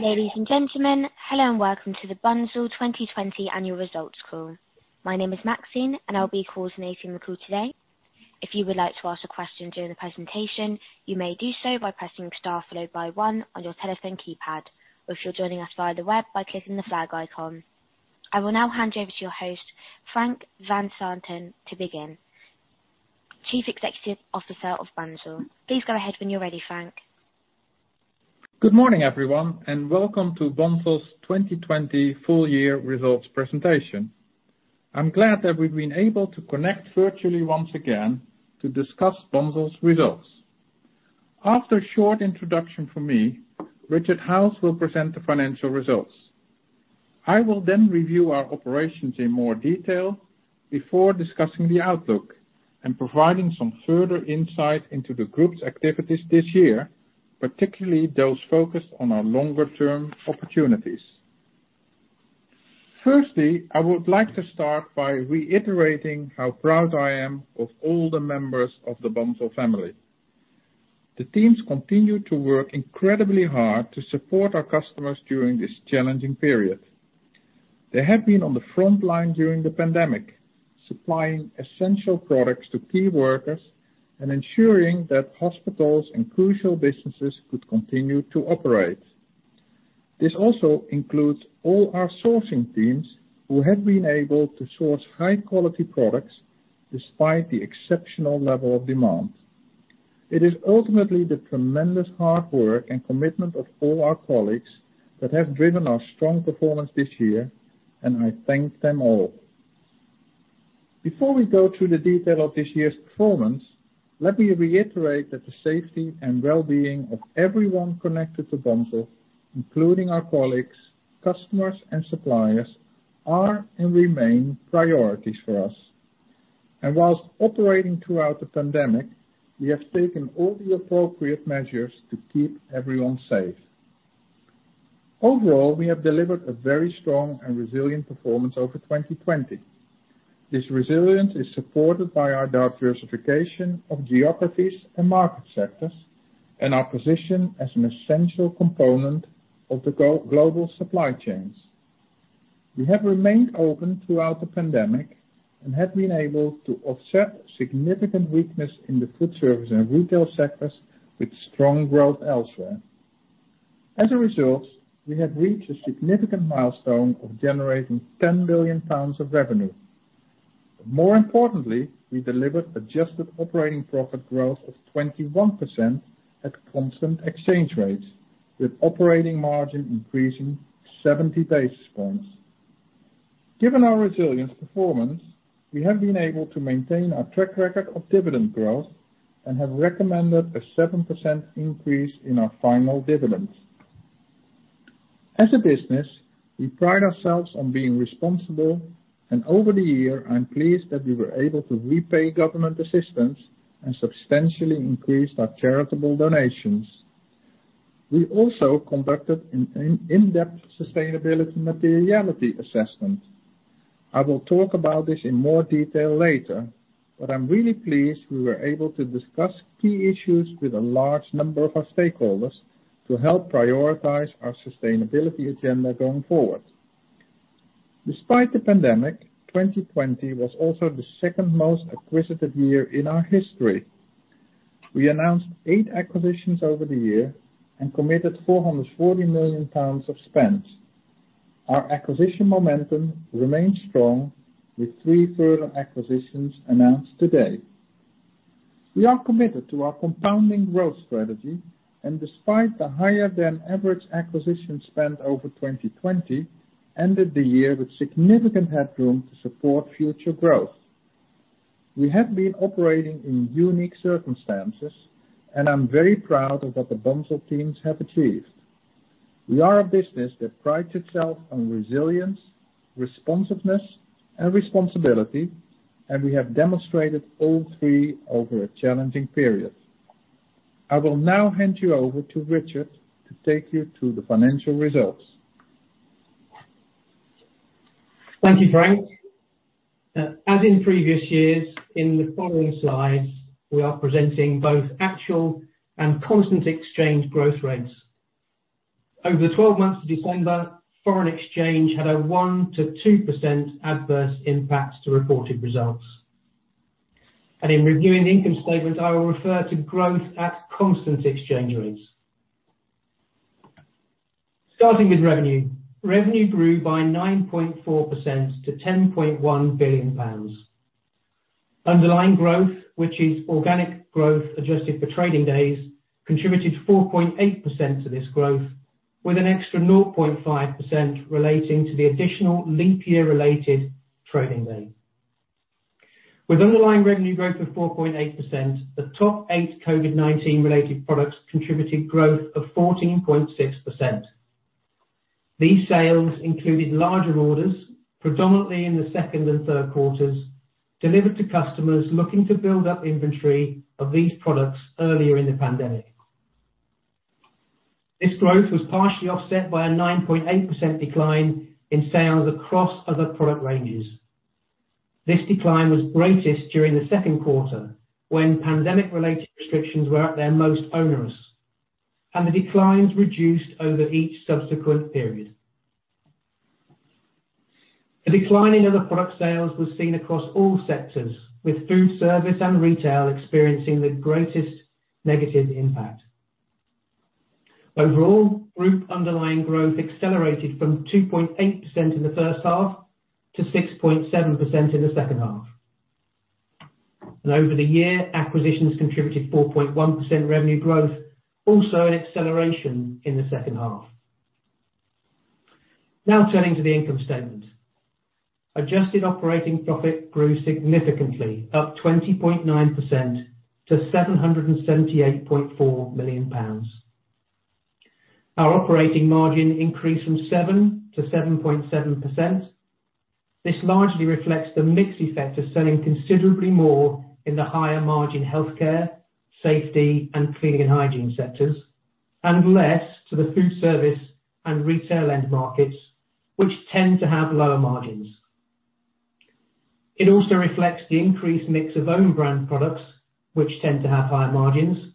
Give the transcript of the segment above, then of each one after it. Ladies and gentlemen, hello and welcome to the Bunzl 2020 Annual Results Call. My name is Maxine, and I'll be coordinating the call today. If you would like to ask a question during the presentation, you may do so by pressing star followed by one on your telephone keypad, or if you're joining us via the web, by clicking the flag icon. I will now hand you over to your host, Frank van Zanten, to begin. Chief Executive Officer of Bunzl. Please go ahead when you're ready, Frank. Good morning, everyone, and welcome to Bunzl's 2020 Full Year Results Presentation. I'm glad that we've been able to connect virtually once again to discuss Bunzl's results. After a short introduction from me, Richard Howes will present the financial results. I will review our operations in more detail before discussing the outlook and providing some further insight into the group's activities this year, particularly those focused on our longer-term opportunities. Firstly, I would like to start by reiterating how proud I am of all the members of the Bunzl family. The teams continue to work incredibly hard to support our customers during this challenging period. They have been on the front line during the pandemic, supplying essential products to key workers and ensuring that hospitals and crucial businesses could continue to operate. This also includes all our sourcing teams who have been able to source high-quality products despite the exceptional level of demand. It is ultimately the tremendous hard work and commitment of all our colleagues that have driven our strong performance this year, and I thank them all. Before we go through the detail of this year's performance, let me reiterate that the safety and well-being of everyone connected to Bunzl, including our colleagues, customers, and suppliers, are and remain priorities for us. Whilst operating throughout the pandemic, we have taken all the appropriate measures to keep everyone safe. Overall, we have delivered a very strong and resilient performance over 2020. This resilience is supported by our diversification of geographies and market sectors and our position as an essential component of the global supply chains. We have remained open throughout the pandemic and have been able to offset significant weakness in the food service and retail sectors with strong growth elsewhere. We have reached a significant milestone of generating 10 billion pounds of revenue. We delivered adjusted operating profit growth of 21% at constant exchange rates, with operating margin increasing 70 basis points. We have been able to maintain our track record of dividend growth and have recommended a 7% increase in our final dividend. We pride ourselves on being responsible, and over the year, I'm pleased that we were able to repay government assistance and substantially increased our charitable donations. We also conducted an in-depth sustainability materiality assessment. I will talk about this in more detail later, but I'm really pleased we were able to discuss key issues with a large number of our stakeholders to help prioritize our sustainability agenda going forward. Despite the pandemic, 2020 was also the second most acquisitive year in our history. We announced eight acquisitions over the year and committed 440 million pounds of spend. Our acquisition momentum remains strong with three further acquisitions announced today. We are committed to our compounding growth strategy, and despite the higher than average acquisition spend over 2020, ended the year with significant headroom to support future growth. We have been operating in unique circumstances, and I'm very proud of what the Bunzl teams have achieved. We are a business that prides itself on resilience, responsiveness, and responsibility, and we have demonstrated all three over a challenging period. I will now hand you over to Richard to take you through the financial results. Thank you, Frank. As in previous years, in the following slides, we are presenting both actual and constant exchange growth rates. Over the 12 months to December, foreign exchange had a 1%-2% adverse impact to reported results. In reviewing the income statement, I will refer to growth at constant exchange rates. Starting with revenue. Revenue grew by 9.4% to 10.1 billion pounds. Underlying growth, which is organic growth adjusted for trading days, contributed 4.8% to this growth, with an extra 0.5% relating to the additional leap year-related trading day. With underlying revenue growth of 4.8%, the top eight COVID-19 related products contributed growth of 14.6%. These sales included larger orders, predominantly in the second and third quarters, delivered to customers looking to build up inventory of these products earlier in the pandemic. This growth was partially offset by a 9.8% decline in sales across other product ranges. This decline was greatest during the second quarter, when pandemic related restrictions were at their most onerous, and the declines reduced over each subsequent period. A decline in other product sales was seen across all sectors, with food service and retail experiencing the greatest negative impact. Overall, group underlying growth accelerated from 2.8% in the first half to 6.7% in the second half. Over the year, acquisitions contributed 4.1% revenue growth, also an acceleration in the second half. Now turning to the income statement. Adjusted operating profit grew significantly, up 20.9% to 778.4 million pounds. Our operating margin increased from 7% to 7.7%. This largely reflects the mix effect of selling considerably more in the higher margin healthcare, safety, and cleaning and hygiene sectors, and less to the food service and retail end markets, which tend to have lower margins. It also reflects the increased mix of own brand products, which tend to have higher margins,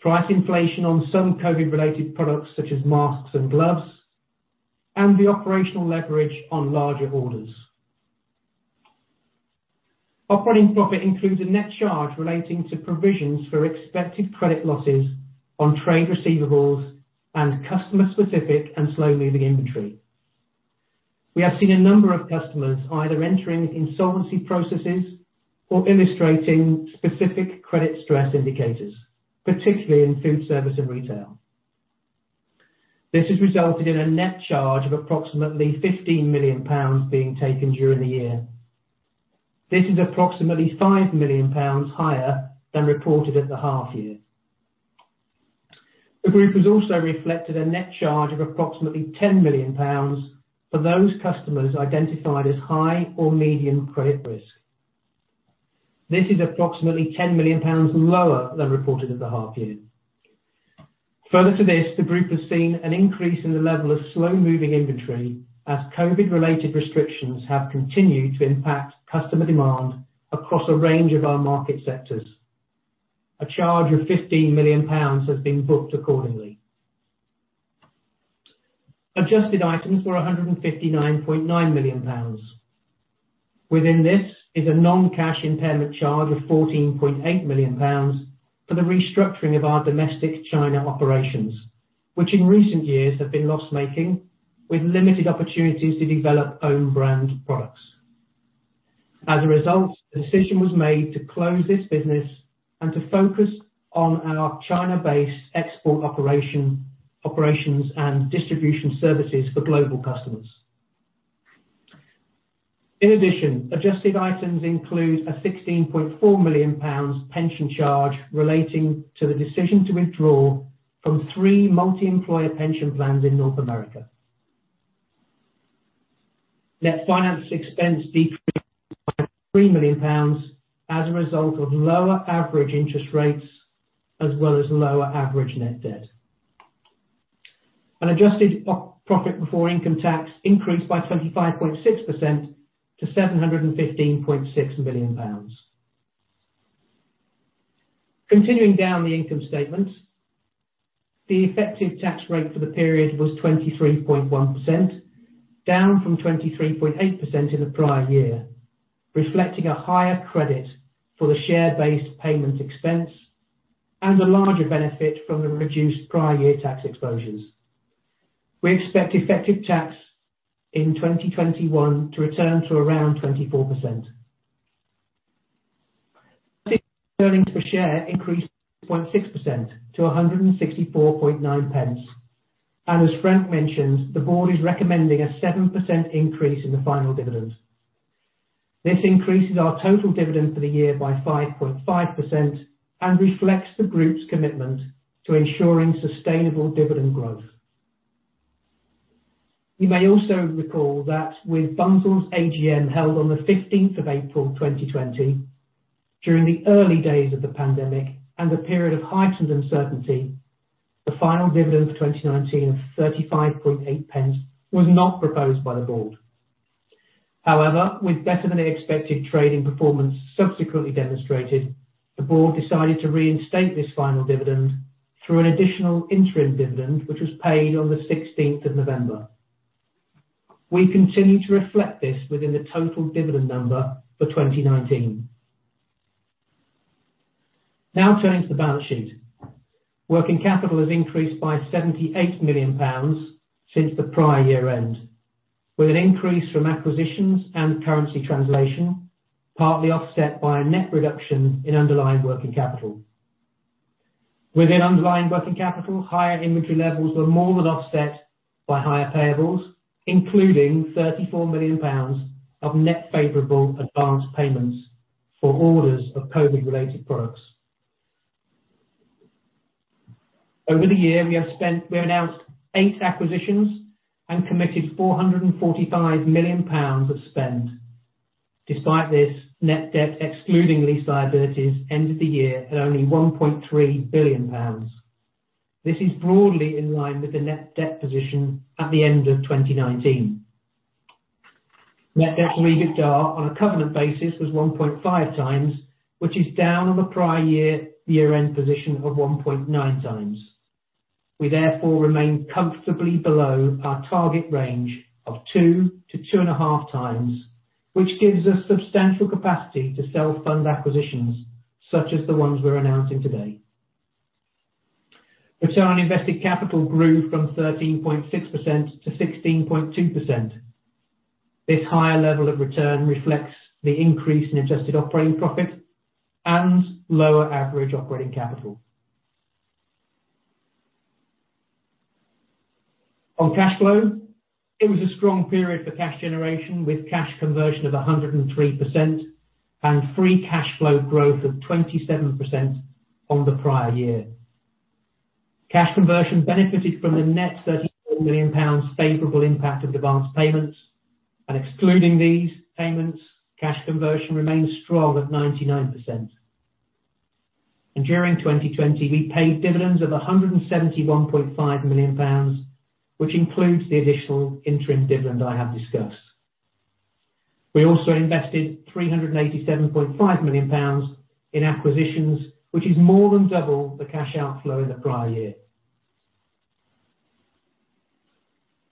price inflation on some COVID related products such as masks and gloves, and the operational leverage on larger orders. Operating profit includes a net charge relating to provisions for expected credit losses on trade receivables and customer specific and slow-moving inventory. We have seen a number of customers either entering insolvency processes or illustrating specific credit stress indicators, particularly in food service and retail. This has resulted in a net charge of approximately 15 million pounds being taken during the year. This is approximately 5 million pounds higher than reported at the half year. The group has also reflected a net charge of approximately 10 million pounds for those customers identified as high or medium credit risk. This is approximately 10 million pounds lower than reported at the half year. Further to this, the group has seen an increase in the level of slow-moving inventory as COVID-related restrictions have continued to impact customer demand across a range of our market sectors. A charge of 15 million pounds has been booked accordingly. Adjusted items were 159.9 million pounds. Within this is a non-cash impairment charge of 14.8 million pounds for the restructuring of our domestic China operations, which in recent years have been loss-making with limited opportunities to develop own brand products. As a result, the decision was made to close this business and to focus on our China-based export operations and distribution services for global customers. In addition, adjusted items include a 16.4 million pounds pension charge relating to the decision to withdraw from three multi-employer pension plans in North America. Net finance expense decreased by 3 million pounds as a result of lower average interest rates as well as lower average net debt. Adjusted profit before income tax increased by 25.6% to 715.6 million pounds. Continuing down the income statement, the effective tax rate for the period was 23.1%, down from 23.8% in the prior year, reflecting a higher credit for the share-based payment expense and a larger benefit from the reduced prior year tax exposures. We expect effective tax in 2021 to return to around 24%. Earnings per share increased 2.6% to 1.649. As Frank mentioned, the board is recommending a 7% increase in the final dividend. This increases our total dividend for the year by 5.5% and reflects the group's commitment to ensuring sustainable dividend growth. You may also recall that with Bunzl's AGM held on the 15th April 2020, during the early days of the pandemic and a period of heightened uncertainty, the final dividend for 2019 of 0.358 was not proposed by the board. However, with better than expected trading performance subsequently demonstrated, the board decided to reinstate this final dividend through an additional interim dividend, which was paid on the 16th November. We continue to reflect this within the total dividend number for 2019. Now turning to the balance sheet. Working capital has increased by 78 million pounds since the prior year end, with an increase from acquisitions and currency translation, partly offset by a net reduction in underlying working capital. Within underlying working capital, higher inventory levels were more than offset by higher payables, including 34 million pounds of net favorable advanced payments for orders of COVID-related products. Over the year, we announced eight acquisitions and committed 445 million pounds of spend. Despite this, net debt excluding lease liabilities ended the year at only 1.3 billion pounds. This is broadly in line with the net debt position at the end of 2019. Net debt to EBITDA on a covenant basis was 1.5x, which is down on the prior year-end position of 1.9x. We therefore remain comfortably below our target range of 2x-2.5x, which gives us substantial capacity to self-fund acquisitions such as the ones we're announcing today. Return on invested capital grew from 13.6% to 16.2%. This higher level of return reflects the increase in adjusted operating profit and lower average operating capital. On cash flow, it was a strong period for cash generation with cash conversion of 103% and free cash flow growth of 27% on the prior year. Cash conversion benefited from the net GBP 34 million favorable impact of advanced payments, and excluding these payments, cash conversion remains strong at 99%. During 2020, we paid dividends of 171.5 million pounds, which includes the additional interim dividend I have discussed. We also invested 387.5 million pounds in acquisitions, which is more than double the cash outflow in the prior year.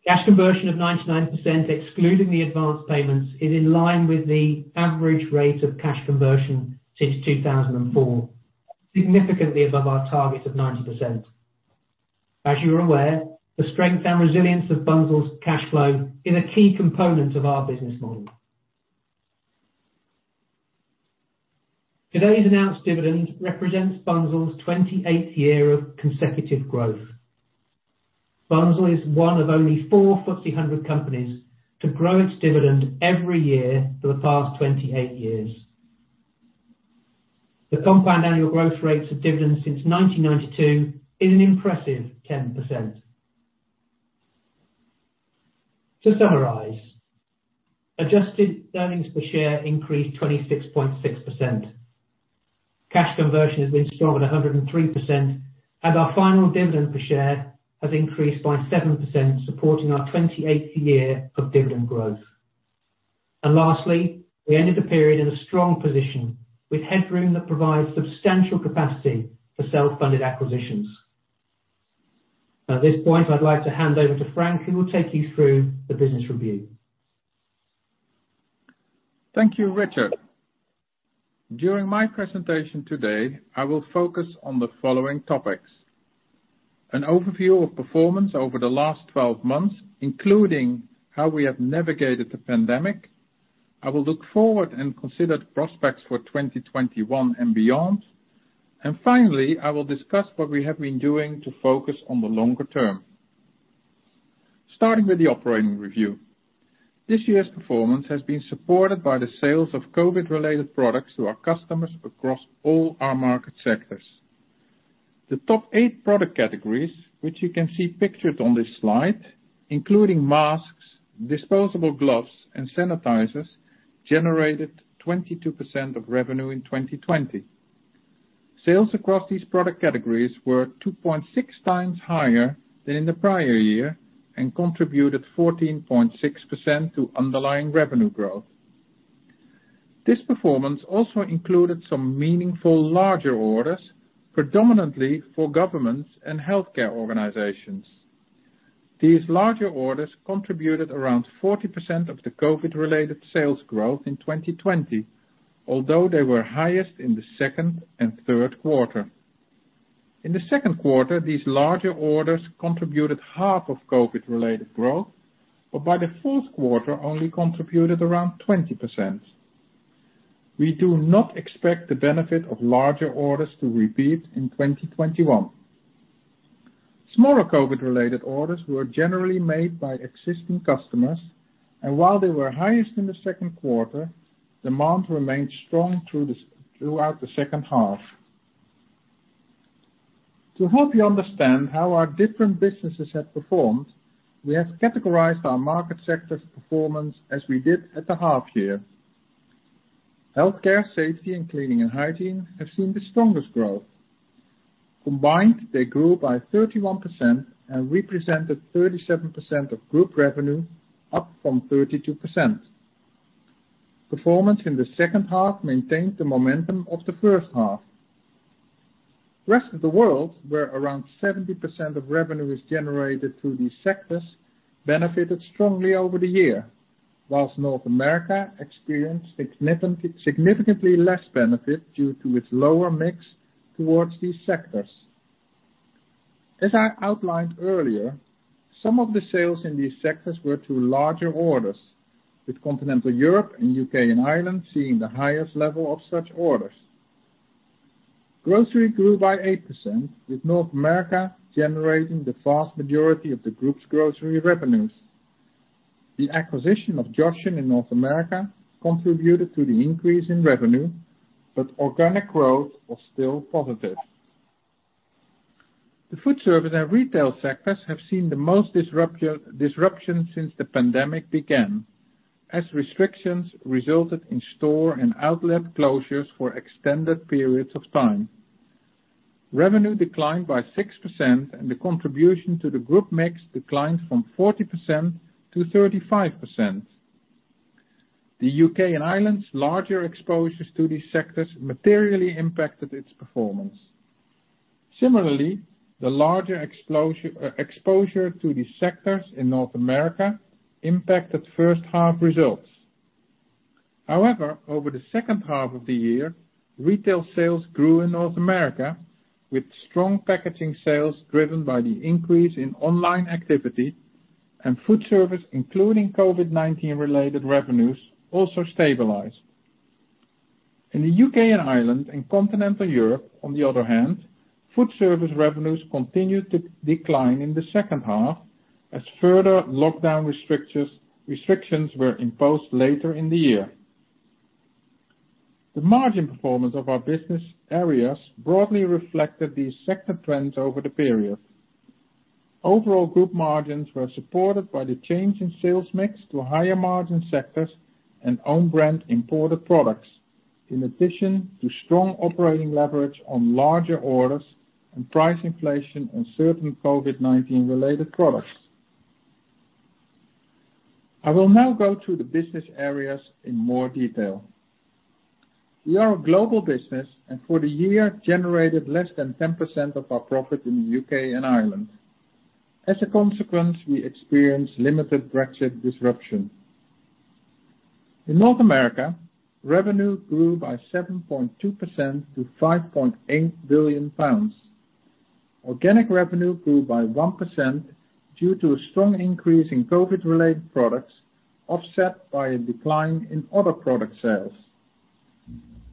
Cash conversion of 99%, excluding the advanced payments, is in line with the average rate of cash conversion since 2004, significantly above our target of 90%. As you are aware, the strength and resilience of Bunzl's cash flow is a key component of our business model. Today's announced dividend represents Bunzl's 28th year of consecutive growth. Bunzl is one of only four FTSE 100 companies to grow its dividend every year for the past 28 years. The CAGR of dividends since 1992 is an impressive 10%. To summarize, adjusted EPS increased 26.6%. Cash conversion has been strong at 103%, and our final dividend per share has increased by 7%, supporting our 28th year of dividend growth. Lastly, we ended the period in a strong position with headroom that provides substantial capacity for self-funded acquisitions. At this point, I'd like to hand over to Frank, who will take you through the business review. Thank you, Richard. During my presentation today, I will focus on the following topics. An overview of performance over the last 12 months, including how we have navigated the pandemic. I will look forward and consider the prospects for 2021 and beyond. Finally, I will discuss what we have been doing to focus on the longer term. Starting with the operating review. This year's performance has been supported by the sales of COVID-related products to our customers across all our market sectors. The top eight product categories, which you can see pictured on this slide, including masks, disposable gloves, and sanitizers, generated 22% of revenue in 2020. Sales across these product categories were 2.6x higher than in the prior year and contributed 14.6% to underlying revenue growth. This performance also included some meaningful larger orders, predominantly for governments and healthcare organizations. These larger orders contributed around 40% of the COVID-related sales growth in 2020, although they were highest in the second and third quarter. In the second quarter, these larger orders contributed half of COVID-related growth, but by the fourth quarter, only contributed around 20%. We do not expect the benefit of larger orders to repeat in 2021. Smaller COVID-related orders were generally made by existing customers, and while they were highest in the second quarter, demand remained strong throughout the second half. To help you understand how our different businesses have performed, we have categorized our market sector's performance as we did at the half year. Healthcare, safety, and cleaning, and hygiene have seen the strongest growth. Combined, they grew by 31% and represented 37% of group revenue, up from 32%. Performance in the second half maintained the momentum of the first half. Rest of the world, where around 70% of revenue is generated through these sectors, benefited strongly over the year. Whilst North America experienced significantly less benefit due to its lower mix towards these sectors. As I outlined earlier, some of the sales in these sectors were through larger orders, with Continental Europe and U.K. and Ireland seeing the highest level of such orders. Grocery grew by 8%, with North America generating the vast majority of the group's grocery revenues. The acquisition of Joshen in North America contributed to the increase in revenue, but organic growth was still positive. The food service and retail sectors have seen the most disruption since the pandemic began. As restrictions resulted in store and outlet closures for extended periods of time. Revenue declined by 6%, and the contribution to the group mix declined from 40% to 35%. The U.K. and Ireland's larger exposures to these sectors materially impacted its performance. Similarly, the larger exposure to these sectors in North America impacted first half results. However, over the second half of the year, retail sales grew in North America, with strong packaging sales driven by the increase in online activity, and food service, including COVID-19 related revenues, also stabilized. In the U.K. and Ireland and Continental Europe, on the other hand, food service revenues continued to decline in the second half as further lockdown restrictions were imposed later in the year. The margin performance of our business areas broadly reflected these sector trends over the period. Overall group margins were supported by the change in sales mix to higher margin sectors and own brand imported products, in addition to strong operating leverage on larger orders and price inflation on certain COVID-19 related products. I will now go through the business areas in more detail. We are a global business, and for the year generated less than 10% of our profit in the U.K. and Ireland. As a consequence, we experienced limited Brexit disruption. In North America, revenue grew by 7.2% to 5.8 billion pounds. Organic revenue grew by 1% due to a strong increase in COVID related products, offset by a decline in other product sales.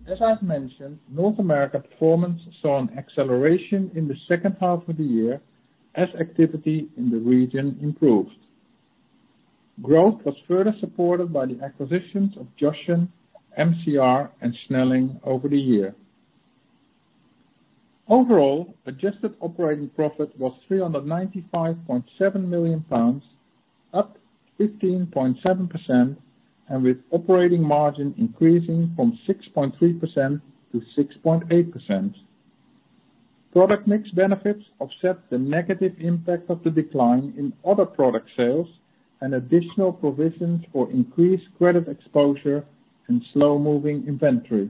As I've mentioned, North America performance saw an acceleration in the second half of the year as activity in the region improved. Growth was further supported by the acquisitions of Joshen, MCR, and Snelling over the year. Overall, adjusted operating profit was 395.7 million pounds, up 15.7%, and with operating margin increasing from 6.3% to 6.8%. Product mix benefits offset the negative impact of the decline in other product sales and additional provisions for increased credit exposure and slow-moving inventory.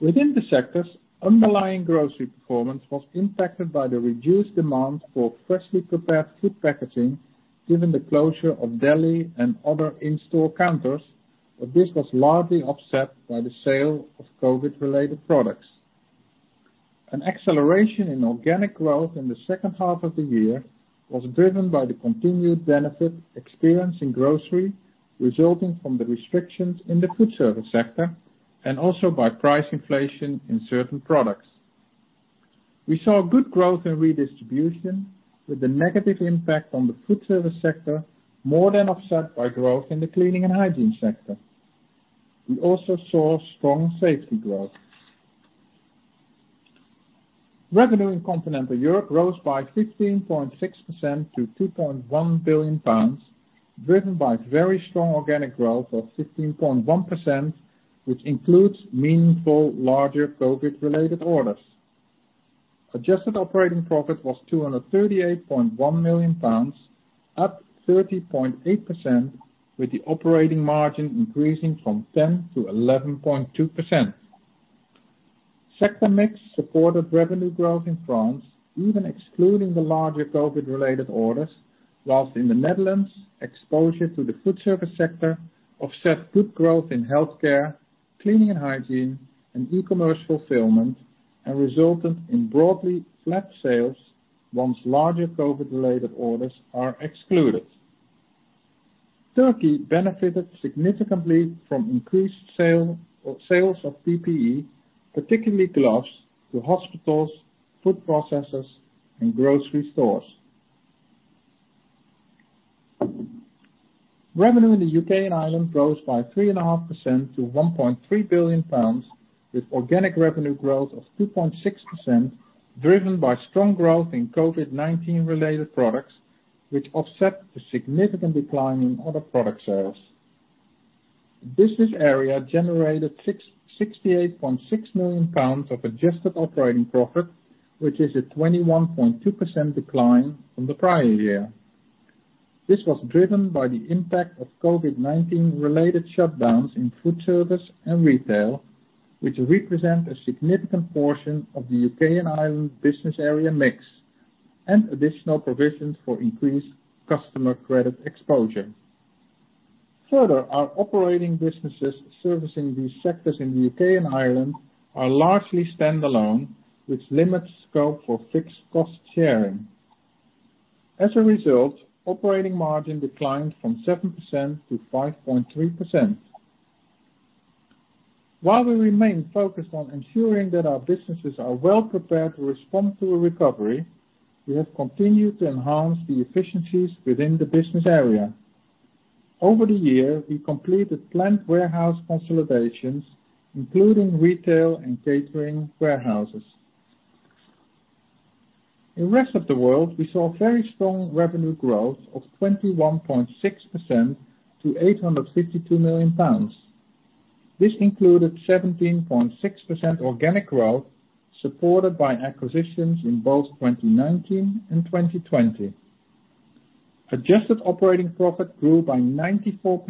Within the sectors, underlying grocery performance was impacted by the reduced demand for freshly prepared food packaging, given the closure of deli and other in-store counters, but this was largely offset by the sale of COVID related products. An acceleration in organic growth in the second half of the year was driven by the continued benefit experienced in grocery, resulting from the restrictions in the food service sector, and also by price inflation in certain products. We saw good growth in redistribution, with the negative impact on the food service sector more than offset by growth in the cleaning and hygiene sector. We also saw strong safety growth. Revenue in Continental Europe rose by 15.6% to 2.1 billion pounds, driven by very strong organic growth of 15.1%, which includes meaningful larger COVID related orders. Adjusted operating profit was 238.1 million pounds, up 30.8%, with the operating margin increasing from 10% to 11.2%. Sector mix supported revenue growth in France, even excluding the larger COVID related orders, whilst in the Netherlands, exposure to the food service sector offset good growth in healthcare, cleaning and hygiene, and e-commerce fulfillment, and resulted in broadly flat sales once larger COVID related orders are excluded. Turkey benefited significantly from increased sales of PPE, particularly gloves, to hospitals, food processors, and grocery stores. Revenue in the U.K. and Ireland rose by 3.5% to 1.3 billion pounds, with organic revenue growth of 2.6%, driven by strong growth in COVID-19 related products, which offset the significant decline in other product sales. The business area generated 68.6 million pounds of adjusted operating profit, which is a 21.2% decline from the prior year. This was driven by the impact of COVID-19 related shutdowns in food service and retail, which represent a significant portion of the U.K. and Ireland business area mix, and additional provisions for increased customer credit exposure. Further, our operating businesses servicing these sectors in the U.K. and Ireland are largely stand-alone, which limits scope for fixed cost sharing. As a result, operating margin declined from 7% to 5.3%. While we remain focused on ensuring that our businesses are well prepared to respond to a recovery, we have continued to enhance the efficiencies within the business area. Over the year, we completed planned warehouse consolidations, including retail and catering warehouses. In rest of the world, we saw very strong revenue growth of 21.6% to 852 million pounds. This included 17.6% organic growth, supported by acquisitions in both 2019 and 2020. Adjusted operating profit grew by 94%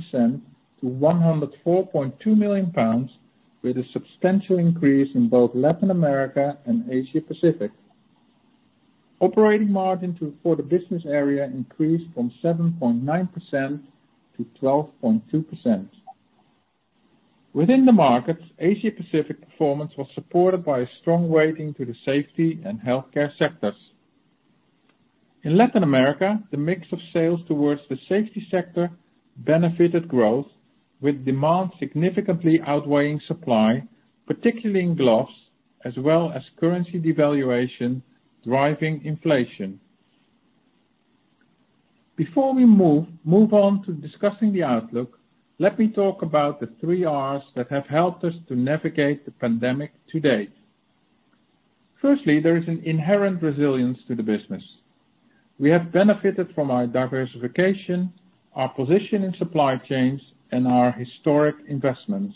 to 104.2 million pounds, with a substantial increase in both Latin America and Asia Pacific. Operating margin for the business area increased from 7.9% to 12.2%. Within the markets, Asia Pacific performance was supported by a strong weighting to the safety and healthcare sectors. In Latin America, the mix of sales towards the safety sector benefited growth, with demand significantly outweighing supply, particularly in gloves, as well as currency devaluation, driving inflation. Before we move on to discussing the outlook, let me talk about the three Rs that have helped us to navigate the pandemic to date. Firstly, there is an inherent resilience to the business. We have benefited from our diversification, our position in supply chains, and our historic investments.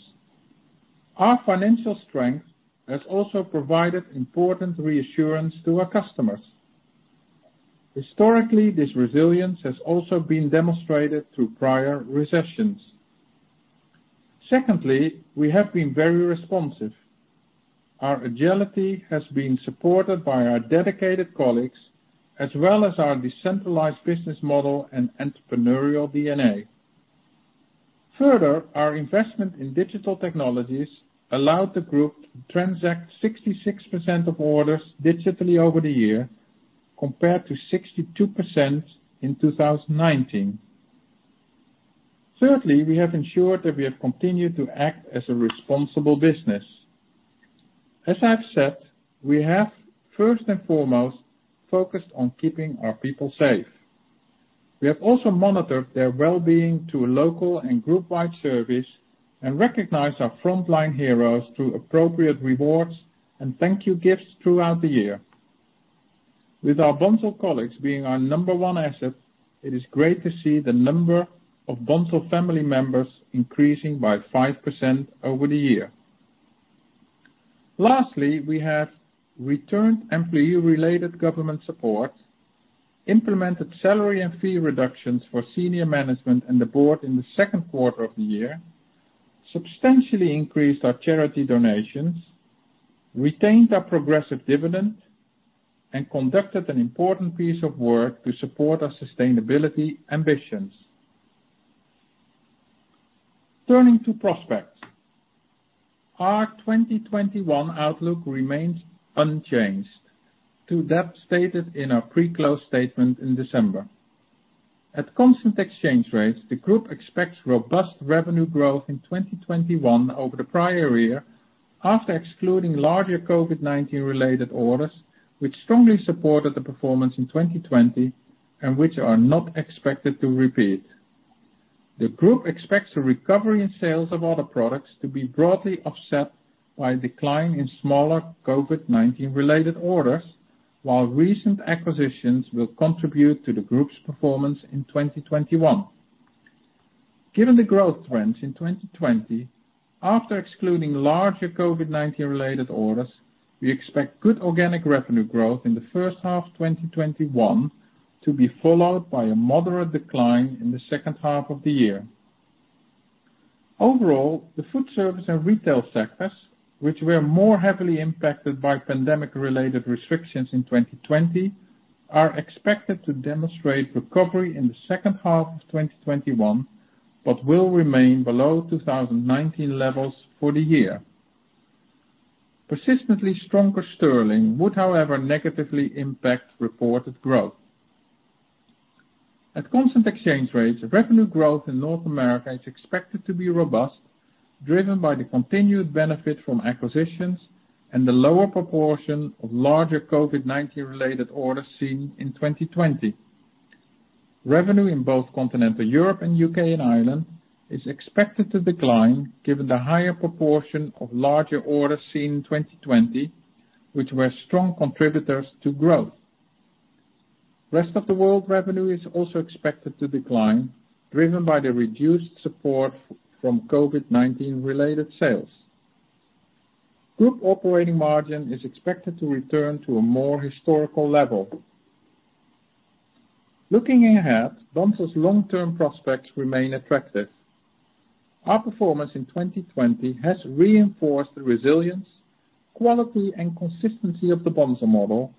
Our financial strength has also provided important reassurance to our customers. Historically, this resilience has also been demonstrated through prior recessions. Secondly, we have been very responsive. Our agility has been supported by our dedicated colleagues, as well as our decentralized business model and entrepreneurial DNA. Further, our investment in digital technologies allowed the group to transact 66% of orders digitally over the year, compared to 62% in 2019. Thirdly, we have ensured that we have continued to act as a responsible business. As I've said, we have first and foremost focused on keeping our people safe. We have also monitored their well-being through a local and group-wide service and recognized our frontline heroes through appropriate rewards and thank you gifts throughout the year. With our Bunzl colleagues being our number one asset, it is great to see the number of Bunzl family members increasing by 5% over the year. Lastly, we have returned employee-related government support, implemented salary and fee reductions for senior management and the board in the second quarter of the year, substantially increased our charity donations, retained our progressive dividend, and conducted an important piece of work to support our sustainability ambitions. Turning to prospects. Our 2021 outlook remains unchanged to that stated in our pre-close statement in December. At constant exchange rates, the group expects robust revenue growth in 2021 over the prior year after excluding larger COVID-19-related orders, which strongly supported the performance in 2020 and which are not expected to repeat. The group expects a recovery in sales of other products to be broadly offset by a decline in smaller COVID-19-related orders, while recent acquisitions will contribute to the group's performance in 2021. Given the growth trends in 2020, after excluding larger COVID-19-related orders, we expect good organic revenue growth in the first half of 2021 to be followed by a moderate decline in the second half of the year. Overall, the food service and retail sectors, which were more heavily impacted by pandemic-related restrictions in 2020, are expected to demonstrate recovery in the second half of 2021, but will remain below 2019 levels for the year. Persistently stronger Sterling would, however, negatively impact reported growth. At constant exchange rates, revenue growth in North America is expected to be robust, driven by the continued benefit from acquisitions and the lower proportion of larger COVID-19-related orders seen in 2020. Revenue in both continental Europe and U.K. and Ireland is expected to decline given the higher proportion of larger orders seen in 2020, which were strong contributors to growth. Rest of the world revenue is also expected to decline, driven by the reduced support from COVID-19-related sales. Group operating margin is expected to return to a more historical level. Looking ahead, Bunzl's long-term prospects remain attractive. Our performance in 2020 has reinforced the resilience, quality, and consistency of the Bunzl model,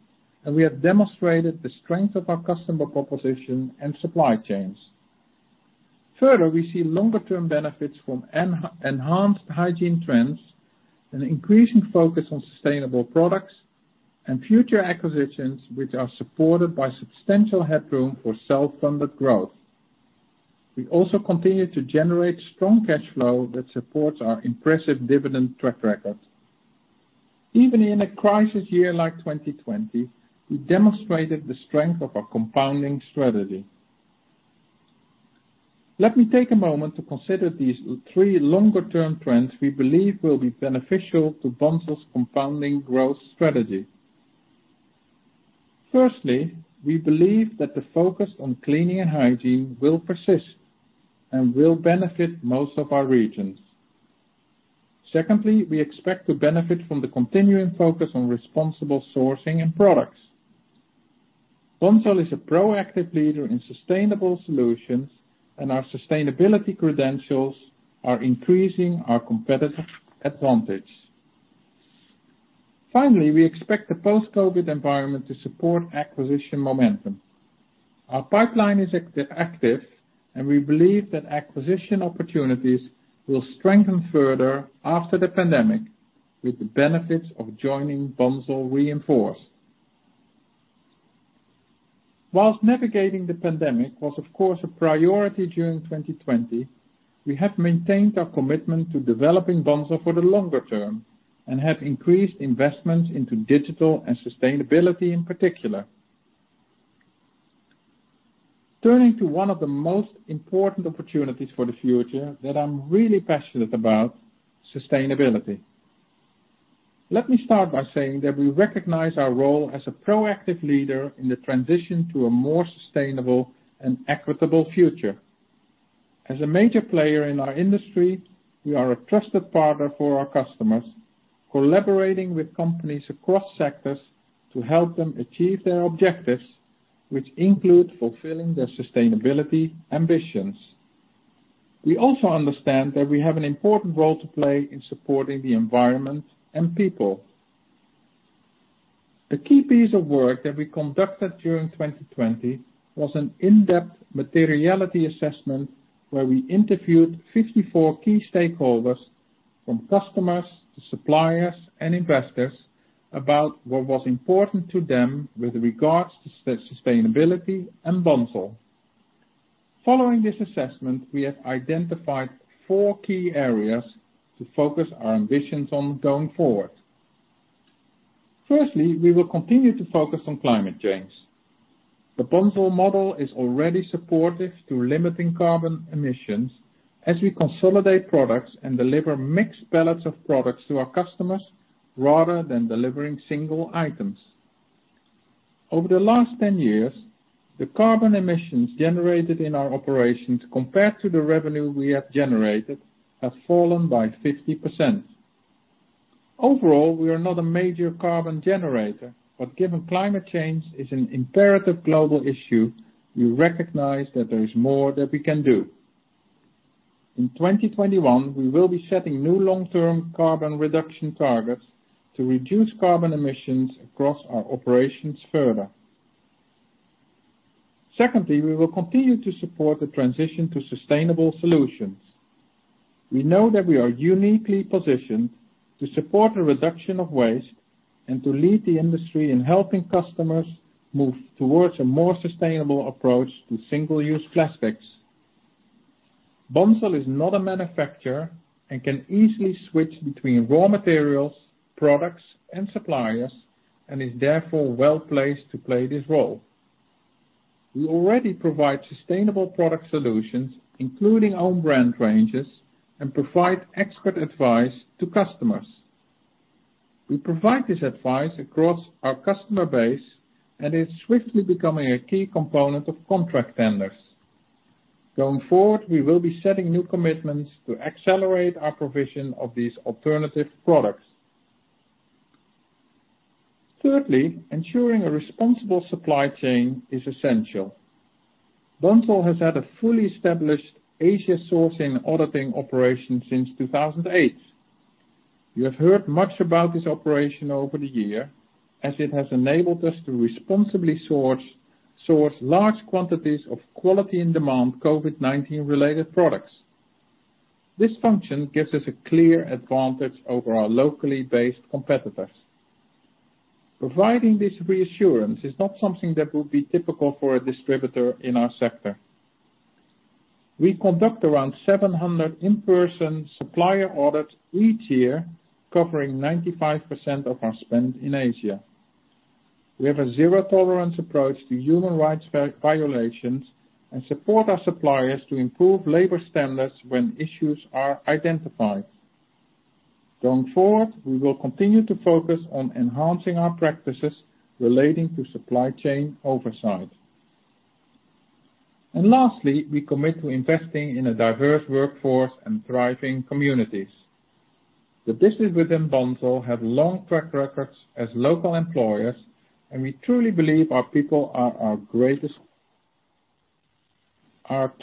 and we have demonstrated the strength of our customer proposition and supply chains. Further, we see longer-term benefits from enhanced hygiene trends, an increasing focus on sustainable products, and future acquisitions, which are supported by substantial headroom for self-funded growth. We also continue to generate strong cash flow that supports our impressive dividend track record. Even in a crisis year like 2020, we demonstrated the strength of our compounding strategy. Let me take a moment to consider these three longer-term trends we believe will be beneficial to Bunzl's compounding growth strategy. We believe that the focus on cleaning and hygiene will persist and will benefit most of our regions. We expect to benefit from the continuing focus on responsible sourcing and products. Bunzl is a proactive leader in sustainable solutions, and our sustainability credentials are increasing our competitive advantage. We expect the post-COVID environment to support acquisition momentum. Our pipeline is active, and we believe that acquisition opportunities will strengthen further after the pandemic with the benefits of joining Bunzl reinforced. Navigating the pandemic was of course a priority during 2020, we have maintained our commitment to developing Bunzl for the longer term and have increased investments into digital and sustainability in particular. Turning to one of the most important opportunities for the future that I'm really passionate about, sustainability. Let me start by saying that we recognize our role as a proactive leader in the transition to a more sustainable and equitable future. As a major player in our industry, we are a trusted partner for our customers, collaborating with companies across sectors to help them achieve their objectives, which include fulfilling their sustainability ambitions. We also understand that we have an important role to play in supporting the environment and people. A key piece of work that we conducted during 2020 was an in-depth materiality assessment where we interviewed 54 key stakeholders, from customers to suppliers and investors, about what was important to them with regards to sustainability and Bunzl. Following this assessment, we have identified four key areas to focus our ambitions on going forward. Firstly, we will continue to focus on climate change. The Bunzl model is already supportive to limiting carbon emissions as we consolidate products and deliver mixed pallets of products to our customers rather than delivering single items. Over the last 10 years, the carbon emissions generated in our operations compared to the revenue we have generated has fallen by 50%. Overall, we are not a major carbon generator, given climate change is an imperative global issue, we recognize that there is more that we can do. In 2021, we will be setting new long-term carbon reduction targets to reduce carbon emissions across our operations further. Secondly, we will continue to support the transition to sustainable solutions. We know that we are uniquely positioned to support a reduction of waste and to lead the industry in helping customers move towards a more sustainable approach to single-use plastics. Bunzl is not a manufacturer and can easily switch between raw materials, products, and suppliers, and is therefore well-placed to play this role. We already provide sustainable product solutions, including own brand ranges, and provide expert advice to customers. We provide this advice across our customer base, and it's swiftly becoming a key component of contract tenders. Going forward, we will be setting new commitments to accelerate our provision of these alternative products. Thirdly, ensuring a responsible supply chain is essential. Bunzl has had a fully established Asia sourcing auditing operation since 2008. You have heard much about this operation over the year, as it has enabled us to responsibly source large quantities of quality and demand COVID-19 related products. This function gives us a clear advantage over our locally based competitors. Providing this reassurance is not something that would be typical for a distributor in our sector. We conduct around 700 in-person supplier audits each year, covering 95% of our spend in Asia. We have a zero tolerance approach to human rights violations and support our suppliers to improve labor standards when issues are identified. Going forward, we will continue to focus on enhancing our practices relating to supply chain oversight. Lastly, we commit to investing in a diverse workforce and thriving communities. The business within Bunzl have long track records as local employers, and we truly believe our people are our greatest. Over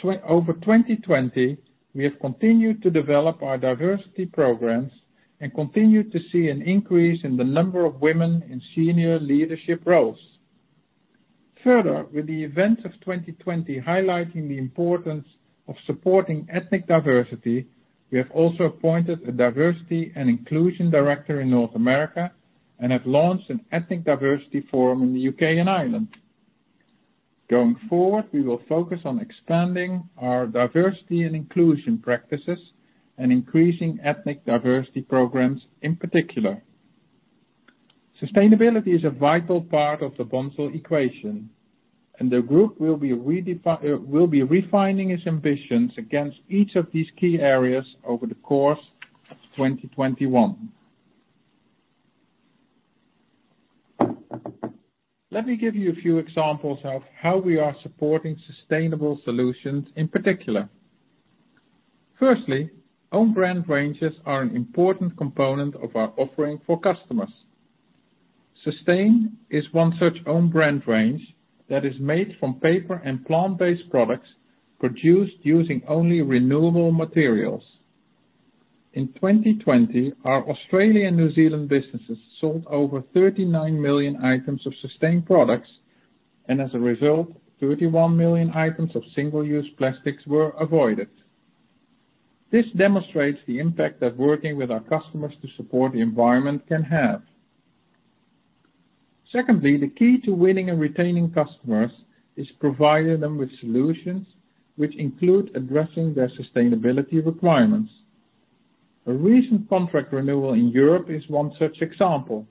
2020, we have continued to develop our diversity programs and continue to see an increase in the number of women in senior leadership roles. Further, with the events of 2020 highlighting the importance of supporting ethnic diversity, we have also appointed a diversity and inclusion director in North America and have launched an ethnic diversity forum in the U.K. and Ireland. Going forward, we will focus on expanding our diversity and inclusion practices and increasing ethnic diversity programs in particular. Sustainability is a vital part of the Bunzl equation, and the group will be refining its ambitions against each of these key areas over the course of 2021. Let me give you a few examples of how we are supporting sustainable solutions in particular. Firstly, own brand ranges are an important component of our offering for customers. Sustain is one such own brand range that is made from paper and plant-based products produced using only renewable materials. In 2020, our Australian and New Zealand businesses sold over 39 million items of Sustain products, and as a result, 31 million items of single-use plastics were avoided. This demonstrates the impact that working with our customers to support the environment can have. Secondly, the key to winning and retaining customers is providing them with solutions which include addressing their sustainability requirements. A recent contract renewal in Europe is one such example,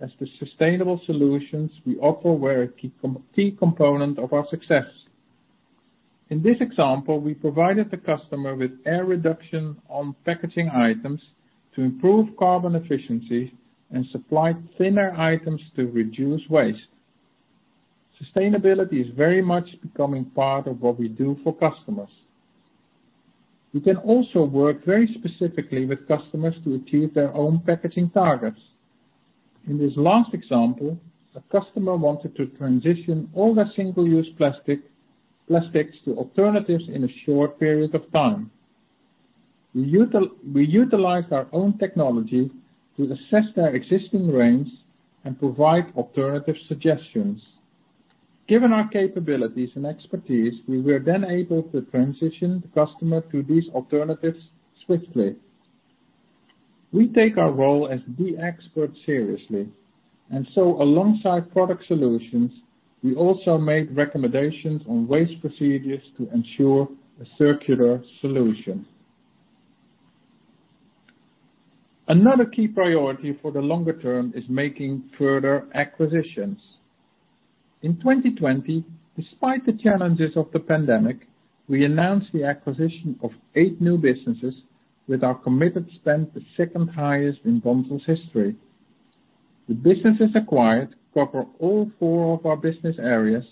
as the sustainable solutions we offer were a key component of our success. In this example, we provided the customer with air reduction on packaging items to improve carbon efficiency and supplied thinner items to reduce waste. Sustainability is very much becoming part of what we do for customers. We can also work very specifically with customers to achieve their own packaging targets. In this last example, a customer wanted to transition all their single-use plastics to alternatives in a short period of time. We utilized our own technology to assess their existing range and provide alternative suggestions. Given our capabilities and expertise, we were then able to transition the customer to these alternatives swiftly. We take our role as the expert seriously, alongside product solutions, we also made recommendations on waste procedures to ensure a circular solution. Another key priority for the longer term is making further acquisitions. In 2020, despite the challenges of the pandemic, we announced the acquisition of eight new businesses with our committed spend, the second highest in Bunzl's history. The businesses acquired cover all four of our business areas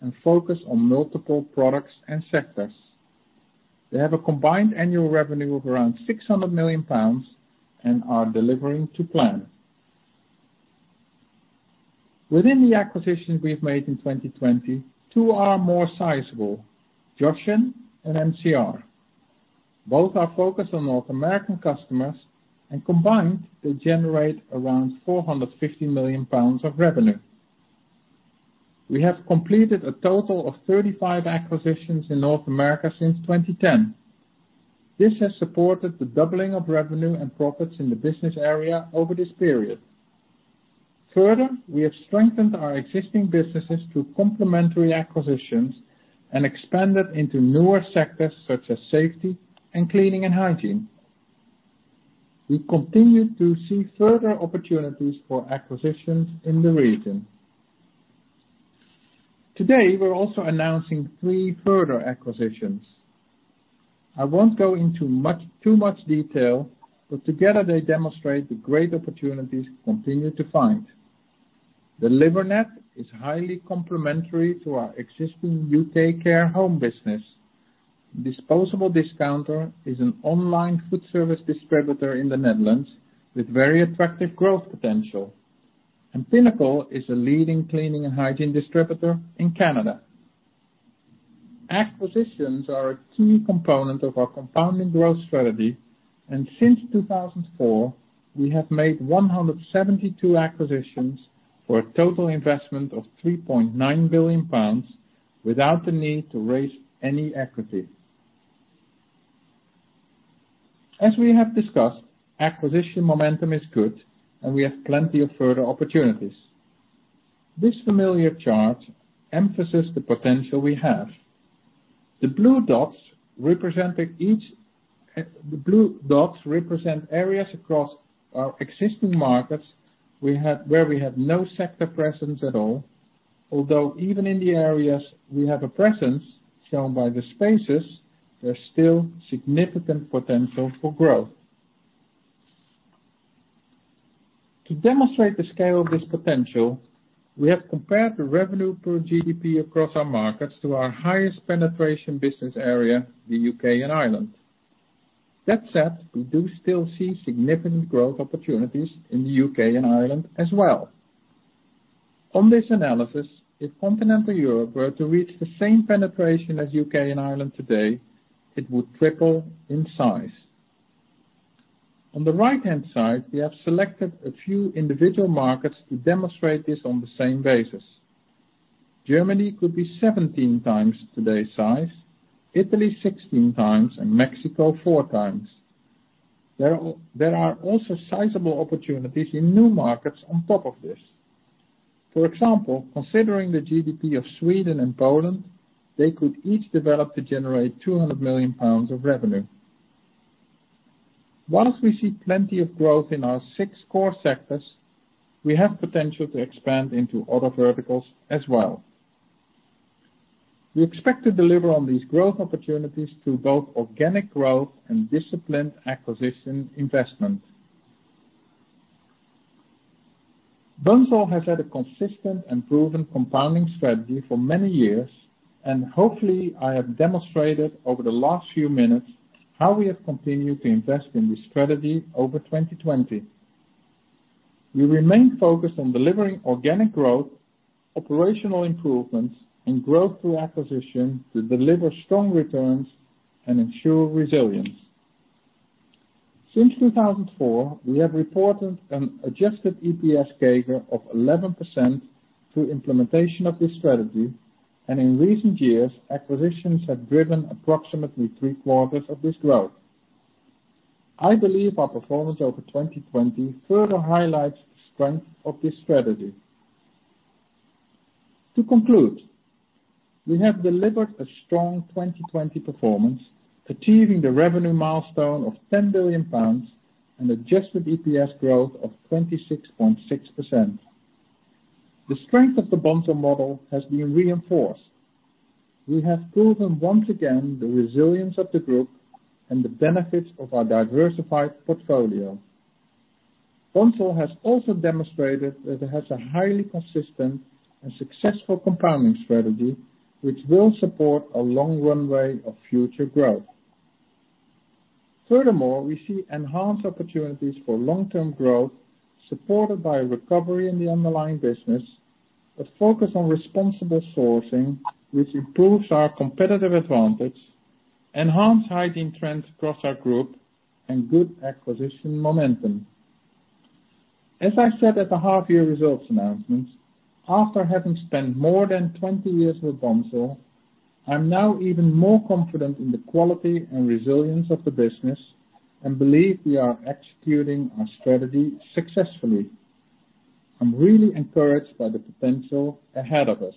and focus on multiple products and sectors. They have a combined annual revenue of around 600 million pounds and are delivering to plan. Within the acquisitions we've made in 2020, two are more sizable, Joshen and MCR. Both are focused on North American customers, and combined, they generate around 450 million pounds of revenue. We have completed a total of 35 acquisitions in North America since 2010. This has supported the doubling of revenue and profits in the business area over this period. We have strengthened our existing businesses through complementary acquisitions and expanded into newer sectors such as safety and cleaning and hygiene. We continue to see further opportunities for acquisitions in the region. Today, we're also announcing three further acquisitions. I won't go into too much detail, together they demonstrate the great opportunities we continue to find. DeliverNet is highly complementary to our existing U.K. care home business. Disposable Discounter is an online foodservice distributor in the Netherlands with very attractive growth potential. Pinnacle is a leading cleaning and hygiene distributor in Canada. Acquisitions are a key component of our compounding growth strategy, since 2004, we have made 172 acquisitions for a total investment of 3.9 billion pounds without the need to raise any equity. As we have discussed, acquisition momentum is good, and we have plenty of further opportunities. This familiar chart emphasizes the potential we have. The blue dots represent areas across our existing markets where we have no sector presence at all, although even in the areas we have a presence, shown by the spaces, there's still significant potential for growth. To demonstrate the scale of this potential, we have compared the revenue per GDP across our markets to our highest penetration business area, the U.K. and Ireland. That said, we do still see significant growth opportunities in the U.K. and Ireland as well. On this analysis, if Continental Europe were to reach the same penetration as U.K. and Ireland today, it would triple in size. On the right-hand side, we have selected a few individual markets to demonstrate this on the same basis. Germany could be 17 times today's size, Italy 16 times, and Mexico four times. There are also sizable opportunities in new markets on top of this. For example, considering the GDP of Sweden and Poland, they could each develop to generate 200 million pounds of revenue. Once we see plenty of growth in our six core sectors, we have potential to expand into other verticals as well. We expect to deliver on these growth opportunities through both organic growth and disciplined acquisition investment. Bunzl has had a consistent and proven compounding strategy for many years, and hopefully I have demonstrated over the last few minutes how we have continued to invest in this strategy over 2020. We remain focused on delivering organic growth, operational improvements, and growth through acquisition to deliver strong returns and ensure resilience. Since 2004, we have reported an adjusted EPS CAGR of 11% through implementation of this strategy, and in recent years, acquisitions have driven approximately three quarters of this growth. I believe our performance over 2020 further highlights the strength of this strategy. To conclude, we have delivered a strong 2020 performance, achieving the revenue milestone of 10 billion pounds, an adjusted EPS growth of 26.6%. The strength of the Bunzl model has been reinforced. We have proven once again the resilience of the group and the benefits of our diversified portfolio. Bunzl has also demonstrated that it has a highly consistent and successful compounding strategy, which will support a long runway of future growth. Furthermore, we see enhanced opportunities for long-term growth, supported by a recovery in the underlying business, a focus on responsible sourcing, which improves our competitive advantage, enhanced hygiene trends across our group, and good acquisition momentum. As I said at the half-year results announcement, after having spent more than 20 years with Bunzl, I'm now even more confident in the quality and resilience of the business and believe we are executing our strategy successfully. I'm really encouraged by the potential ahead of us.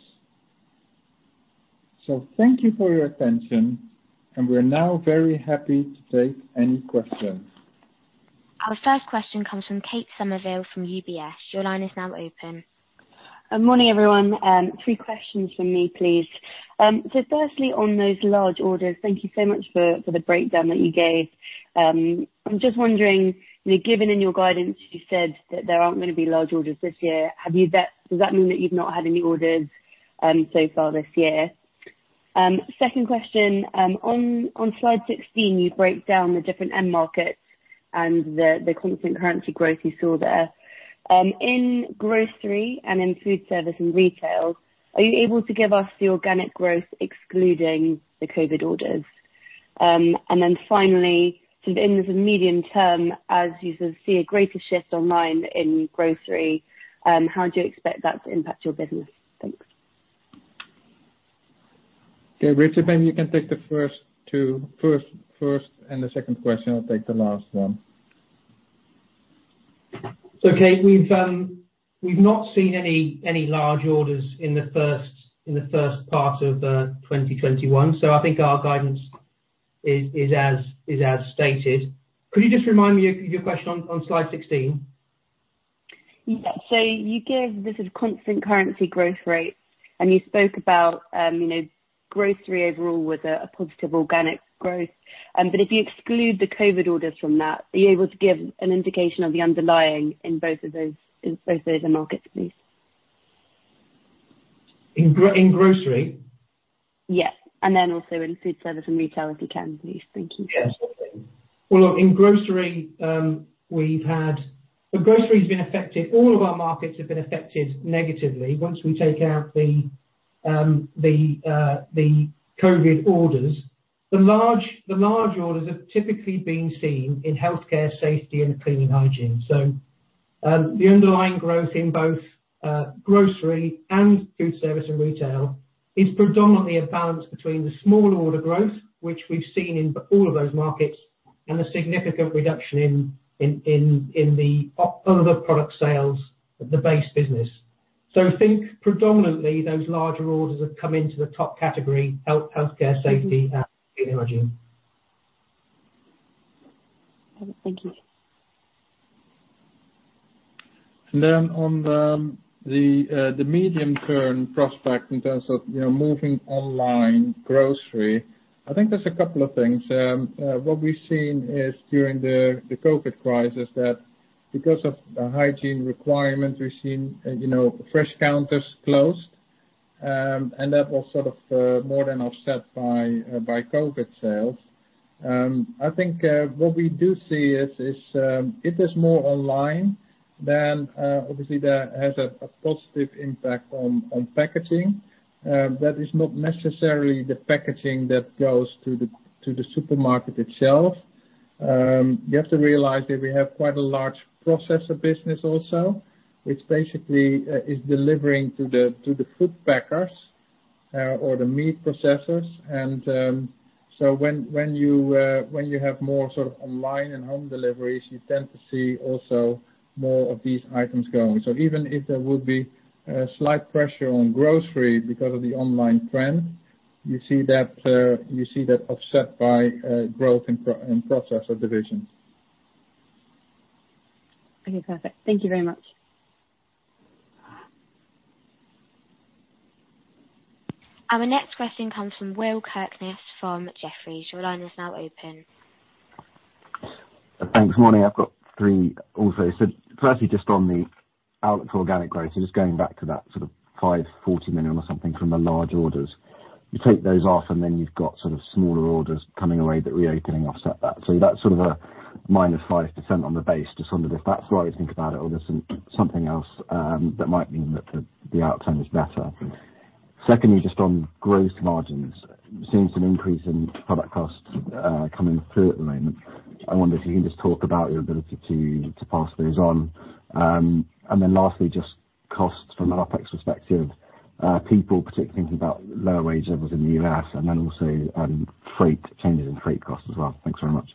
Thank you for your attention, and we're now very happy to take any questions. Our first question comes from Kate Somerville from UBS. Your line is now open. Morning, everyone. Three questions from me, please. Firstly, on those large orders, thank you so much for the breakdown that you gave. I'm just wondering, given in your guidance, you said that there aren't going to be large orders this year. Does that mean that you've not had any orders so far this year? Second question, on slide 16, you break down the different end markets and the constant currency growth you saw there. In grocery and in food service and retail, are you able to give us the organic growth excluding the COVID orders? Finally, in the medium term, as you see a greater shift online in grocery, how do you expect that to impact your business? Thanks. Okay, Richard, maybe you can take the first and the second question. I'll take the last one. Kate, we've not seen any large orders in the first part of 2021. I think our guidance is as stated. Could you just remind me of your question on slide 16? Yeah. You gave, this is constant currency growth rates, and you spoke about grocery overall with a positive organic growth. If you exclude the COVID orders from that, are you able to give an indication of the underlying in both of those end markets, please? In grocery? Yes. Then also in food service and retail, if you can, please. Thank you. Yes. Well look, grocery has been affected, all of our markets have been affected negatively once we take out the COVID orders. The large orders have typically been seen in healthcare, safety, and cleaning hygiene. The underlying growth in both grocery and food service and retail is predominantly a balance between the small order growth, which we've seen in all of those markets, and the significant reduction in the other product sales, the base business. Think predominantly those larger orders have come into the top category, healthcare, safety, and cleaning hygiene. Thank you. On the medium-term prospect in terms of moving online grocery, I think there's a couple of things. What we've seen is during the COVID crisis that because of hygiene requirements, we've seen fresh counters closed, that was sort of more than offset by COVID sales. I think what we do see is if there's more online, obviously that has a positive impact on packaging. That is not necessarily the packaging that goes to the supermarket itself. You have to realize that we have quite a large processor business also, which basically is delivering to the food packers or the meat processors. When you have more sort of online and home deliveries, you tend to see also more of these items going. Even if there would be a slight pressure on grocery because of the online trend. You see that offset by growth in processor divisions. Okay, perfect. Thank you very much. Our next question comes from Will Kirkness from Jefferies. Your line is now open. Thanks. Morning. I've got three also. Firstly, just on the outlook organic growth. Just going back to that sort of 540 million or something from the large orders. You take those off and then you've got sort of smaller orders coming away that reopening offset that. That's sort of a -5% on the base. Just wondered if that's the right way to think about it or there's something else that might mean that the outcome is better. Secondly, just on gross margins, seeing some increase in product costs coming through at the moment. I wonder if you can just talk about your ability to pass those on. Lastly, just costs from an OpEx perspective. People, particularly thinking about lower wage levels in the U.S. and then also freight, changes in freight costs as well. Thanks very much.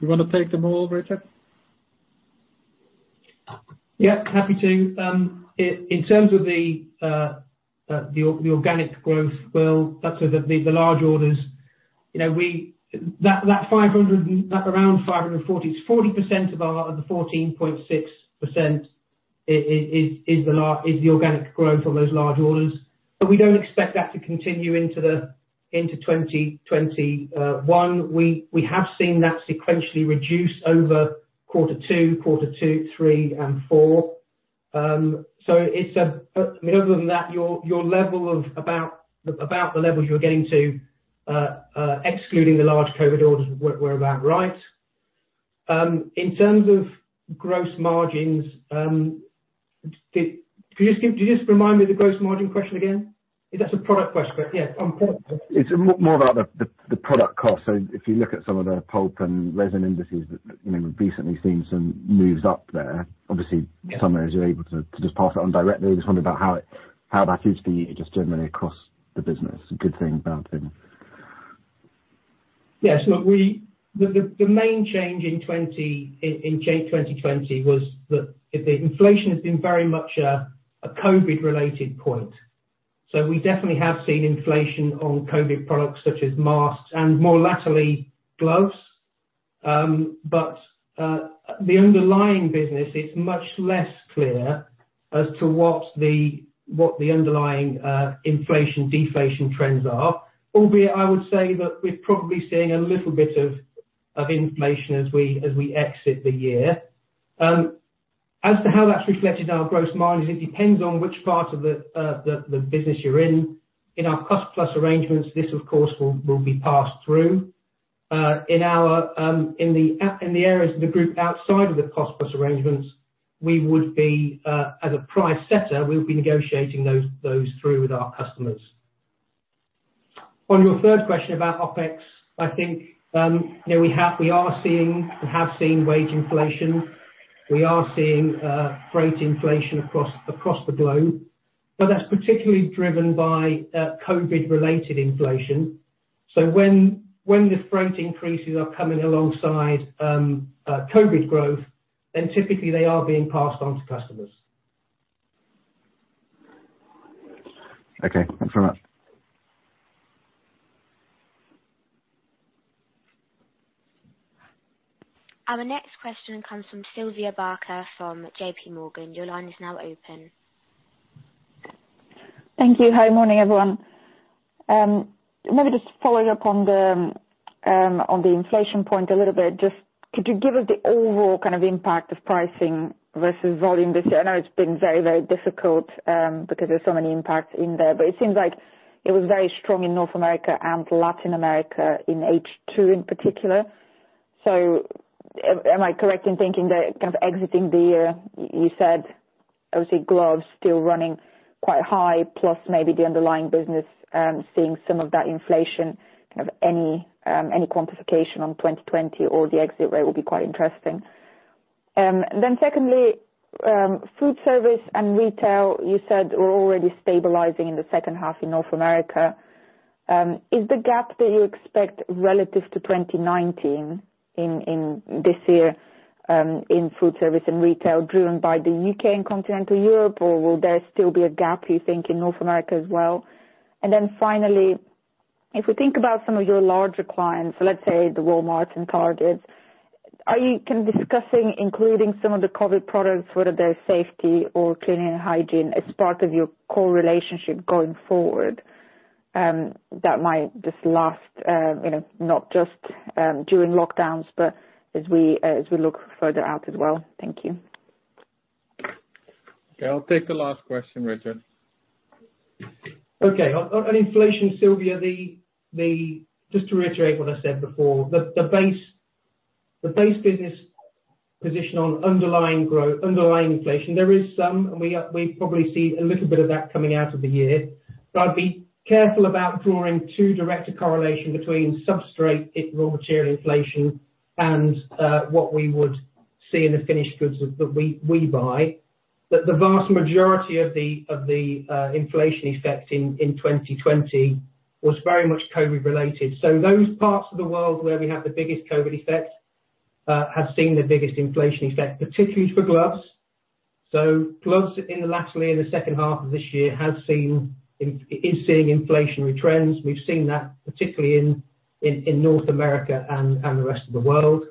You want to take them all, Richard? Yeah, happy to. In terms of the organic growth, Will, the large orders, around 540 million, it's 40% of the 14.6% is the organic growth from those large orders. We don't expect that to continue into 2021. We have seen that sequentially reduce over quarter two, three, and four. Other than that, about the level you're getting to excluding the large COVID orders were about right. In terms of gross margins, could you just remind me the gross margin question again? That's a product question, but yeah. It's more about the product cost. If you look at some of the pulp and resin indices that we've recently seen some moves up there. Yeah. Sometimes you're able to just pass it on directly. Just wondering about how that is for you just generally across the business. A good thing, bad thing? Yes. Look, the main change in 2020 was that the inflation has been very much a COVID related point. We definitely have seen inflation on COVID products such as masks and more laterally, gloves. The underlying business is much less clear as to what the underlying inflation/deflation trends are. Albeit, I would say that we're probably seeing a little bit of inflation as we exit the year. As to how that's reflected in our gross margins, it depends on which part of the business you're in. In our cost-plus arrangements, this, of course, will be passed through. In the areas of the group outside of the cost-plus arrangements, as a price setter, we'll be negotiating those through with our customers. On your third question about OpEx, I think we are seeing and have seen wage inflation. We are seeing freight inflation across the globe, but that's particularly driven by COVID related inflation. When the freight increases are coming alongside COVID growth, then typically they are being passed on to customers. Okay. Thanks very much. Our next question comes from Sylvia Barker from JPMorgan. Your line is now open. Thank you. Hi, morning, everyone. Following up on the inflation point a little bit, just could you give us the overall kind of impact of pricing versus volume this year? I know it's been very difficult because there's so many impacts in there, it seems like it was very strong in North America and Latin America in H2 in particular. Am I correct in thinking that kind of exiting the year, you said obviously gloves still running quite high, plus maybe the underlying business seeing some of that inflation, kind of any quantification on 2020 or the exit rate will be quite interesting. Secondly, food service and retail, you said were already stabilizing in the second half in North America. Is the gap that you expect relative to 2019 in this year in food service and retail driven by the U.K. and Continental Europe, or will there still be a gap you think in North America as well? Finally, if we think about some of your larger clients, let's say the Walmarts and Targets, are you kind of discussing including some of the COVID products, whether they're safety or cleaning and hygiene, as part of your core relationship going forward? That might just last not just during lockdowns, but as we look further out as well. Thank you. Okay. I'll take the last question, Richard. On inflation, Sylvia, just to reiterate what I said before, the base business position on underlying inflation, there is some. We probably see a little bit of that coming out of the year. I'd be careful about drawing too direct a correlation between substrate raw material inflation and what we would see in the finished goods that we buy. The vast majority of the inflation effect in 2020 was very much COVID related. Those parts of the world where we have the biggest COVID effect have seen the biggest inflation effect, particularly for gloves. Gloves in the latterly in the second half of this year is seeing inflationary trends. We've seen that particularly in North America and the rest of the world.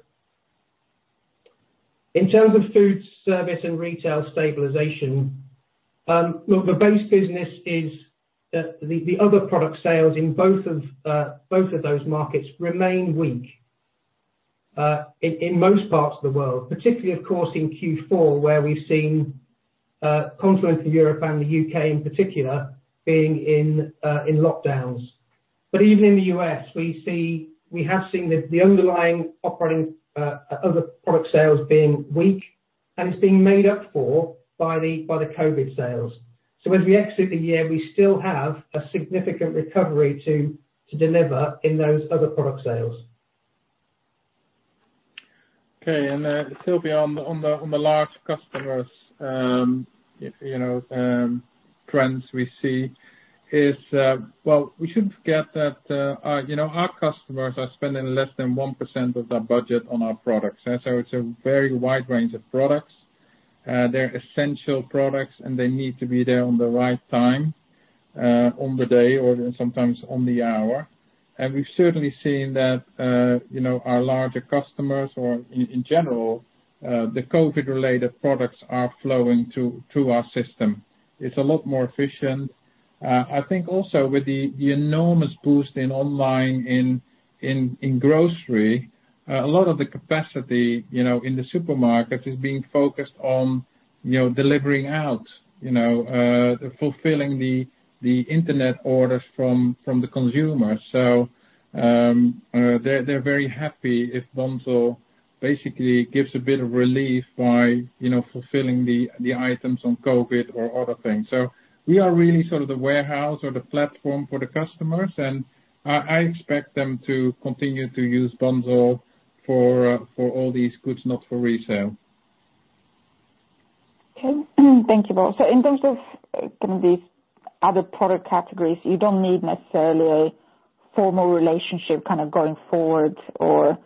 In terms of food service and retail stabilization, look, the base business is the other product sales in both of those markets remain weak in most parts of the world, particularly, of course, in Q4, where we've seen continental Europe and the U.K. in particular being in lockdowns. Even in the U.S., we have seen the underlying operating other product sales being weak, and it's being made up for by the COVID sales. As we exit the year, we still have a significant recovery to deliver in those other product sales. Okay. Sylvia on the large customers trends we see, we shouldn't forget that our customers are spending less than 1% of their budget on our products. It's a very wide range of products. They're essential products, and they need to be there on the right time, on the day or sometimes on the hour. We've certainly seen that our larger customers or in general, the COVID related products are flowing through our system. It's a lot more efficient. I think also with the enormous boost in online in grocery, a lot of the capacity in the supermarket is being focused on delivering out, fulfilling the internet orders from the consumer. They're very happy if Bunzl basically gives a bit of relief by fulfilling the items on COVID or other things. We are really sort of the warehouse or the platform for the customers, and I expect them to continue to use Bunzl for all these goods not for resale. Okay, thank you both. In terms of kind of these other product categories, you don't need necessarily a formal relationship kind of going forward, or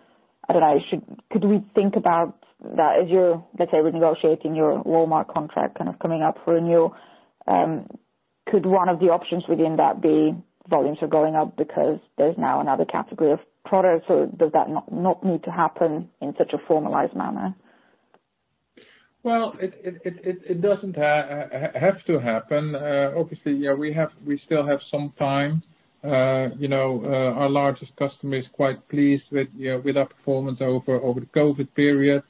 I don't know, could we think about that as you're, let's say, renegotiating your Walmart contract kind of coming up for renewal, could one of the options within that be volumes are going up because there's now another category of products, or does that not need to happen in such a formalized manner? Well, it doesn't have to happen. Obviously, yeah, we still have some time. Our largest customer is quite pleased with our performance over the COVID period.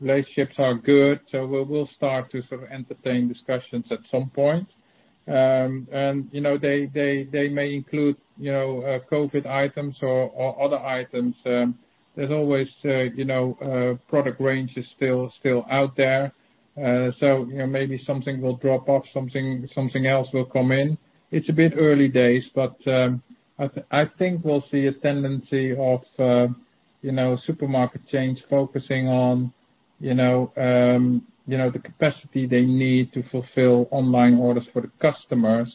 Relationships are good. We'll start to sort of entertain discussions at some point. They may include COVID items or other items. There's always product range is still out there. Maybe something will drop off, something else will come in. It's a bit early days, but, I think we'll see a tendency of supermarket chains focusing on the capacity they need to fulfill online orders for the customers,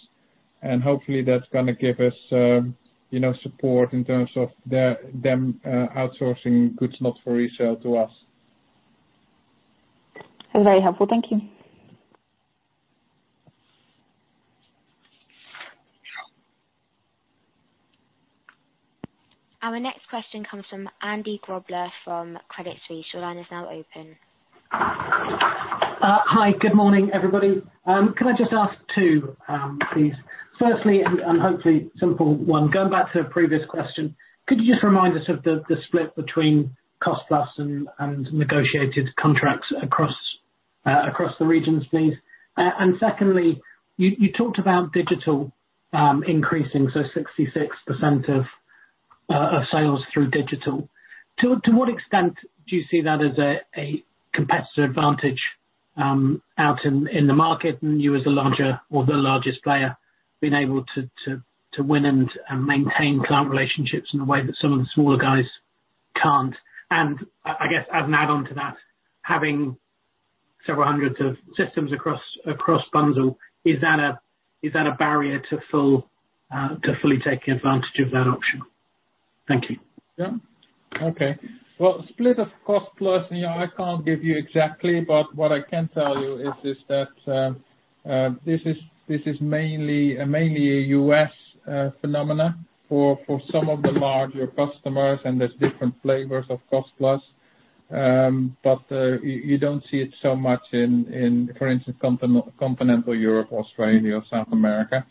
and hopefully that's going to give us support in terms of them outsourcing goods not for resale to us. Very helpful. Thank you. Our next question comes from Andy Grobler from Credit Suisse. Your line is now open. Hi, good morning, everybody. Can I just ask two, please? Firstly, hopefully simple one, going back to a previous question, could you just remind us of the split between cost-plus and negotiated contracts across the regions, please? Secondly, you talked about digital increasing, so 66% of sales through digital. To what extent do you see that as a competitor advantage out in the market and you as a larger or the largest player being able to win and maintain client relationships in a way that some of the smaller guys can't? I guess as an add-on to that, having several hundreds of systems across Bunzl, is that a barrier to fully take advantage of that option? Thank you. Yeah. Okay. Well, split of cost-plus, I can't give you exactly, but what I can tell you is this, that this is mainly a U.S. phenomenon for some of the larger customers, and there's different flavors of cost-plus. You don't see it so much in, for instance, continental Europe, Australia, or South America.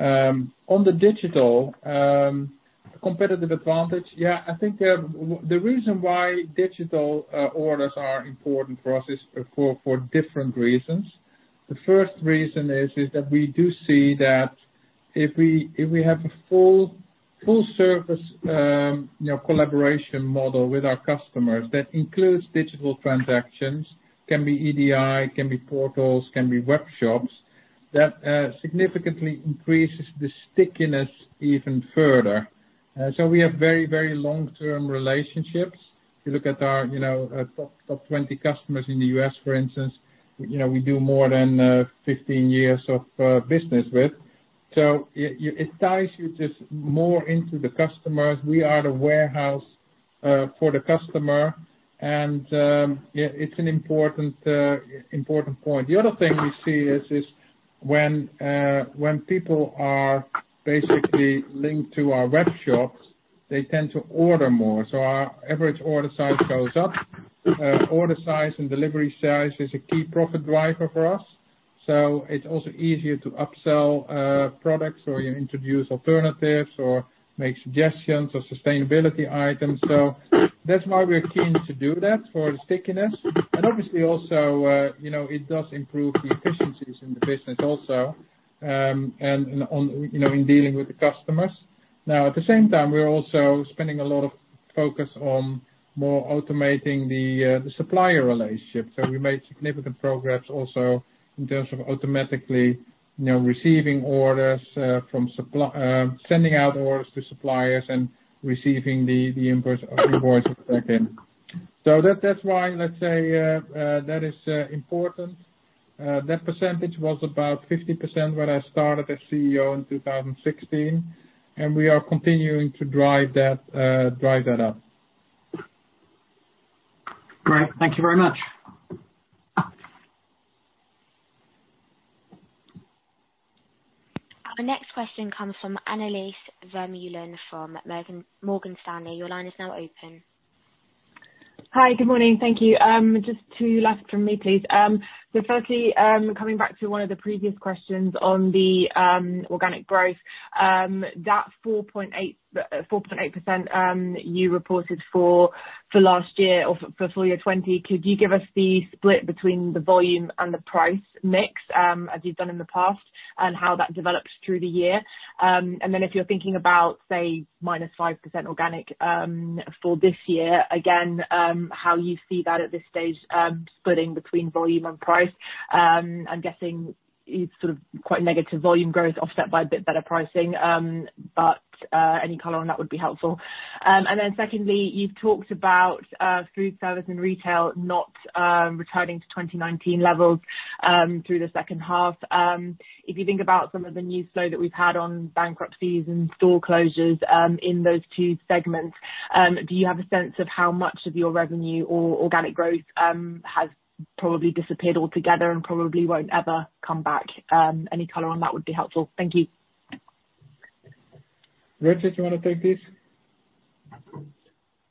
On the digital competitive advantage, yeah, I think the reason why digital orders are important for us is for different reasons. The first reason is that we do see that if we have a full service collaboration model with our customers that includes digital transactions, can be EDI, can be portals, can be web shops, that significantly increases the stickiness even further. We have very, very long-term relationships. If you look at our top 20 customers in the U.S., for instance, we do more than 15 years of business with. It ties you just more into the customers. We are the warehouse for the customer, and it's an important point. The other thing we see is when people are basically linked to our web shop, they tend to order more. Our average order size goes up. Order size and delivery size is a key profit driver for us, so it's also easier to upsell products or introduce alternatives or make suggestions of sustainability items. That's why we are keen to do that for the stickiness. Obviously also, it does improve the efficiencies in the business also and in dealing with the customers. Now, at the same time, we're also spending a lot of focus on more automating the supplier relationship. We made significant progress also in terms of automatically sending out orders to suppliers and receiving the invoice back in. That's why, let's say, that is important. That percentage was about 50% when I started as CEO in 2016, and we are continuing to drive that up. Great. Thank you very much. Our next question comes from Annelies Vermeulen from Morgan Stanley. Your line is now open. Hi. Good morning. Thank you. Just two left from me, please. Firstly, coming back to one of the previous questions on the organic growth, that 4.8% you reported for last year or for full year 2020, could you give us the split between the volume and the price mix, as you've done in the past, and how that develops through the year? If you're thinking about, say, -5% organic for this year, again, how you see that at this stage splitting between volume and price. I'm guessing it's sort of quite negative volume growth offset by a bit better pricing, but any color on that would be helpful. Secondly, you've talked about foodservice and retail not returning to 2019 levels through the second half. If you think about some of the news flow that we've had on bankruptcies and store closures in those two segments, do you have a sense of how much of your revenue or organic growth has probably disappeared altogether and probably won't ever come back? Any color on that would be helpful. Thank you. Richard, you want to take this?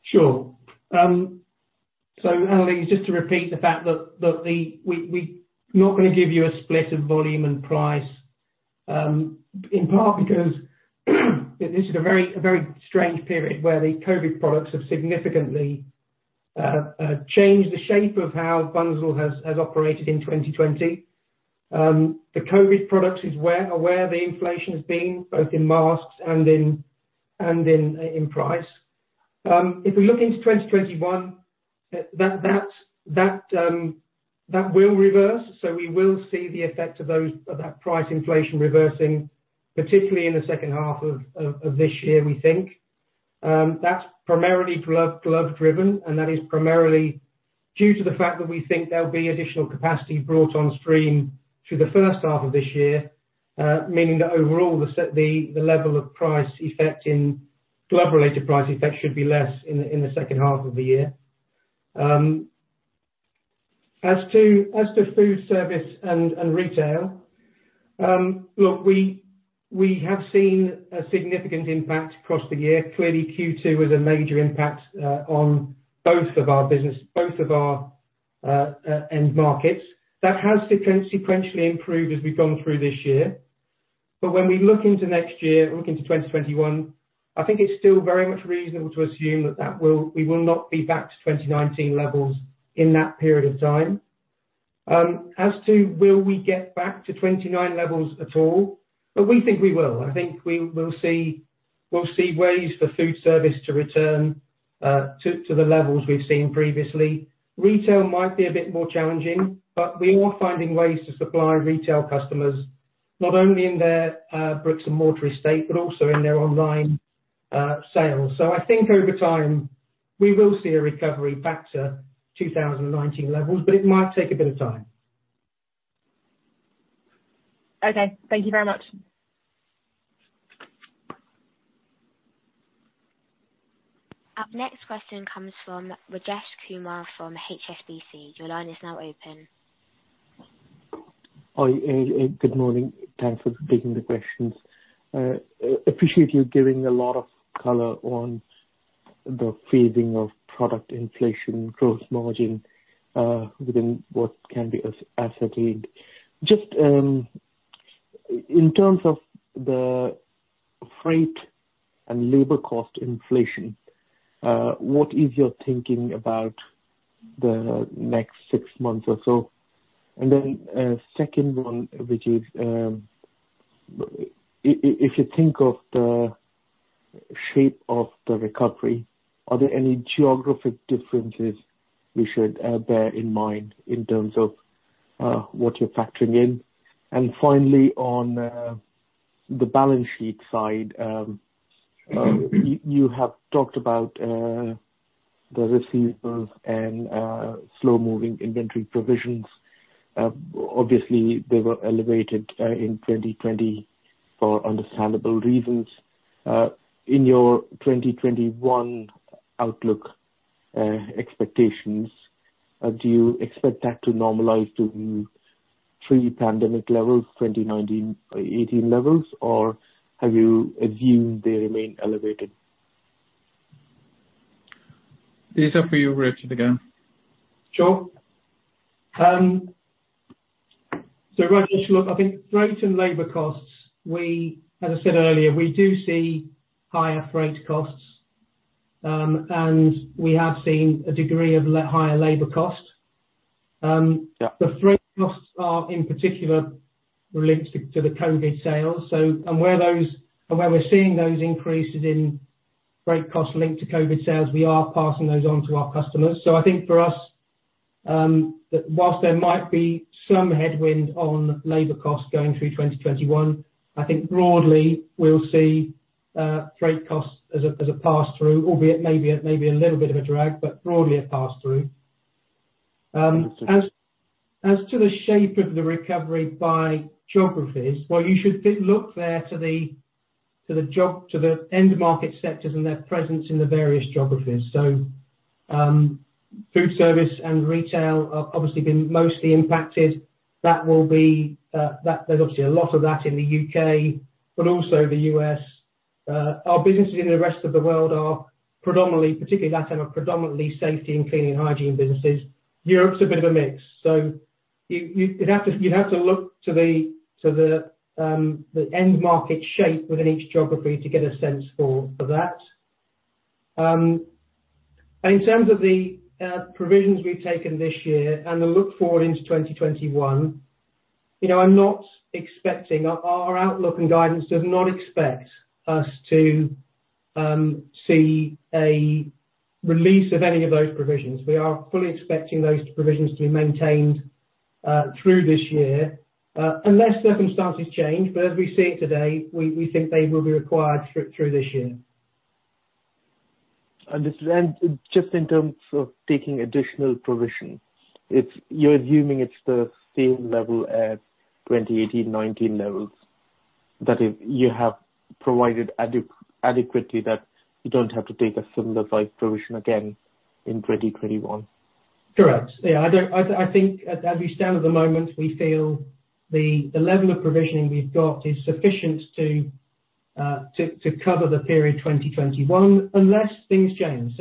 Sure. Annelies, just to repeat the fact that we not going to give you a split of volume and price, in part because this is a very strange period where the COVID products have significantly changed the shape of how Bunzl has operated in 2020. The COVID products is where the inflation has been, both in masks and in price. If we look into 2021, that will reverse. We will see the effect of that price inflation reversing, particularly in the second half of this year, we think. That's primarily glove-driven, and that is primarily due to the fact that we think there'll be additional capacity brought on stream through the first half of this year, meaning that overall, the level of price effect in glove-related price effect should be less in the second half of the year. Food service and retail, look, we have seen a significant impact across the year. Clearly, Q2 is a major impact on both of our end markets. That has sequentially improved as we've gone through this year. When we look into next year, look into 2021, I think it's still very much reasonable to assume that we will not be back to 2019 levels in that period of time. Will we get back to 2019 levels at all, we think we will. I think we'll see ways for food service to return to the levels we've seen previously. Retail might be a bit more challenging, we are finding ways to supply retail customers, not only in their bricks and mortar estate, but also in their online sales. I think over time, we will see a recovery back to 2019 levels, but it might take a bit of time. Okay. Thank you very much. Our next question comes from Rajesh Kumar from HSBC. Your line is now open. Hi. Good morning. Thanks for taking the questions. Appreciate you giving a lot of color on the phasing of product inflation, gross margin, within what can be ascertained. Just in terms of the freight and labor cost inflation, what is your thinking about the next six months or so? Second one, which is if you think of the shape of the recovery, are there any geographic differences we should bear in mind in terms of what you're factoring in? Finally, on the balance sheet side, you have talked about the receivables and slow-moving inventory provisions. Obviously, they were elevated in 2020 for understandable reasons. In your 2021 outlook expectations, do you expect that to normalize to pre-pandemic levels, 2019, 2018 levels, or have you assumed they remain elevated? These are for you, Richard, again. Sure. Rajesh, look, I think freight and labor costs, as I said earlier, we do see higher freight costs, and we have seen a degree of higher labor cost. Yeah. The freight costs are, in particular, related to the COVID sales. Where we're seeing those increases in freight costs linked to COVID sales, we are passing those on to our customers. I think for us, whilst there might be some headwind on labor costs going through 2021, I think broadly, we'll see freight costs as a pass-through, albeit maybe a little bit of a drag, but broadly a pass-through. Understood. As to the shape of the recovery by geographies, well, you should look there to the end market sectors and their presence in the various geographies. Food service and retail have obviously been mostly impacted. There's obviously a lot of that in the U.K., but also the U.S. Our businesses in the rest of the world are predominantly, particularly that are predominantly safety and cleaning and hygiene businesses. Europe's a bit of a mix. You'd have to look to the end market shape within each geography to get a sense for that. In terms of the provisions we've taken this year and the look forward into 2021, our outlook and guidance does not expect us to see a release of any of those provisions. We are fully expecting those provisions to be maintained through this year, unless circumstances change. As we see it today, we think they will be required through this year. Understood. Just in terms of taking additional provision, you're assuming it's the same level as 2018, 2019 levels? That if you have provided adequately, that you don't have to take a similar size provision again in 2021? Correct. I think as we stand at the moment, we feel the level of provisioning we've got is sufficient to cover the period 2021, unless things change.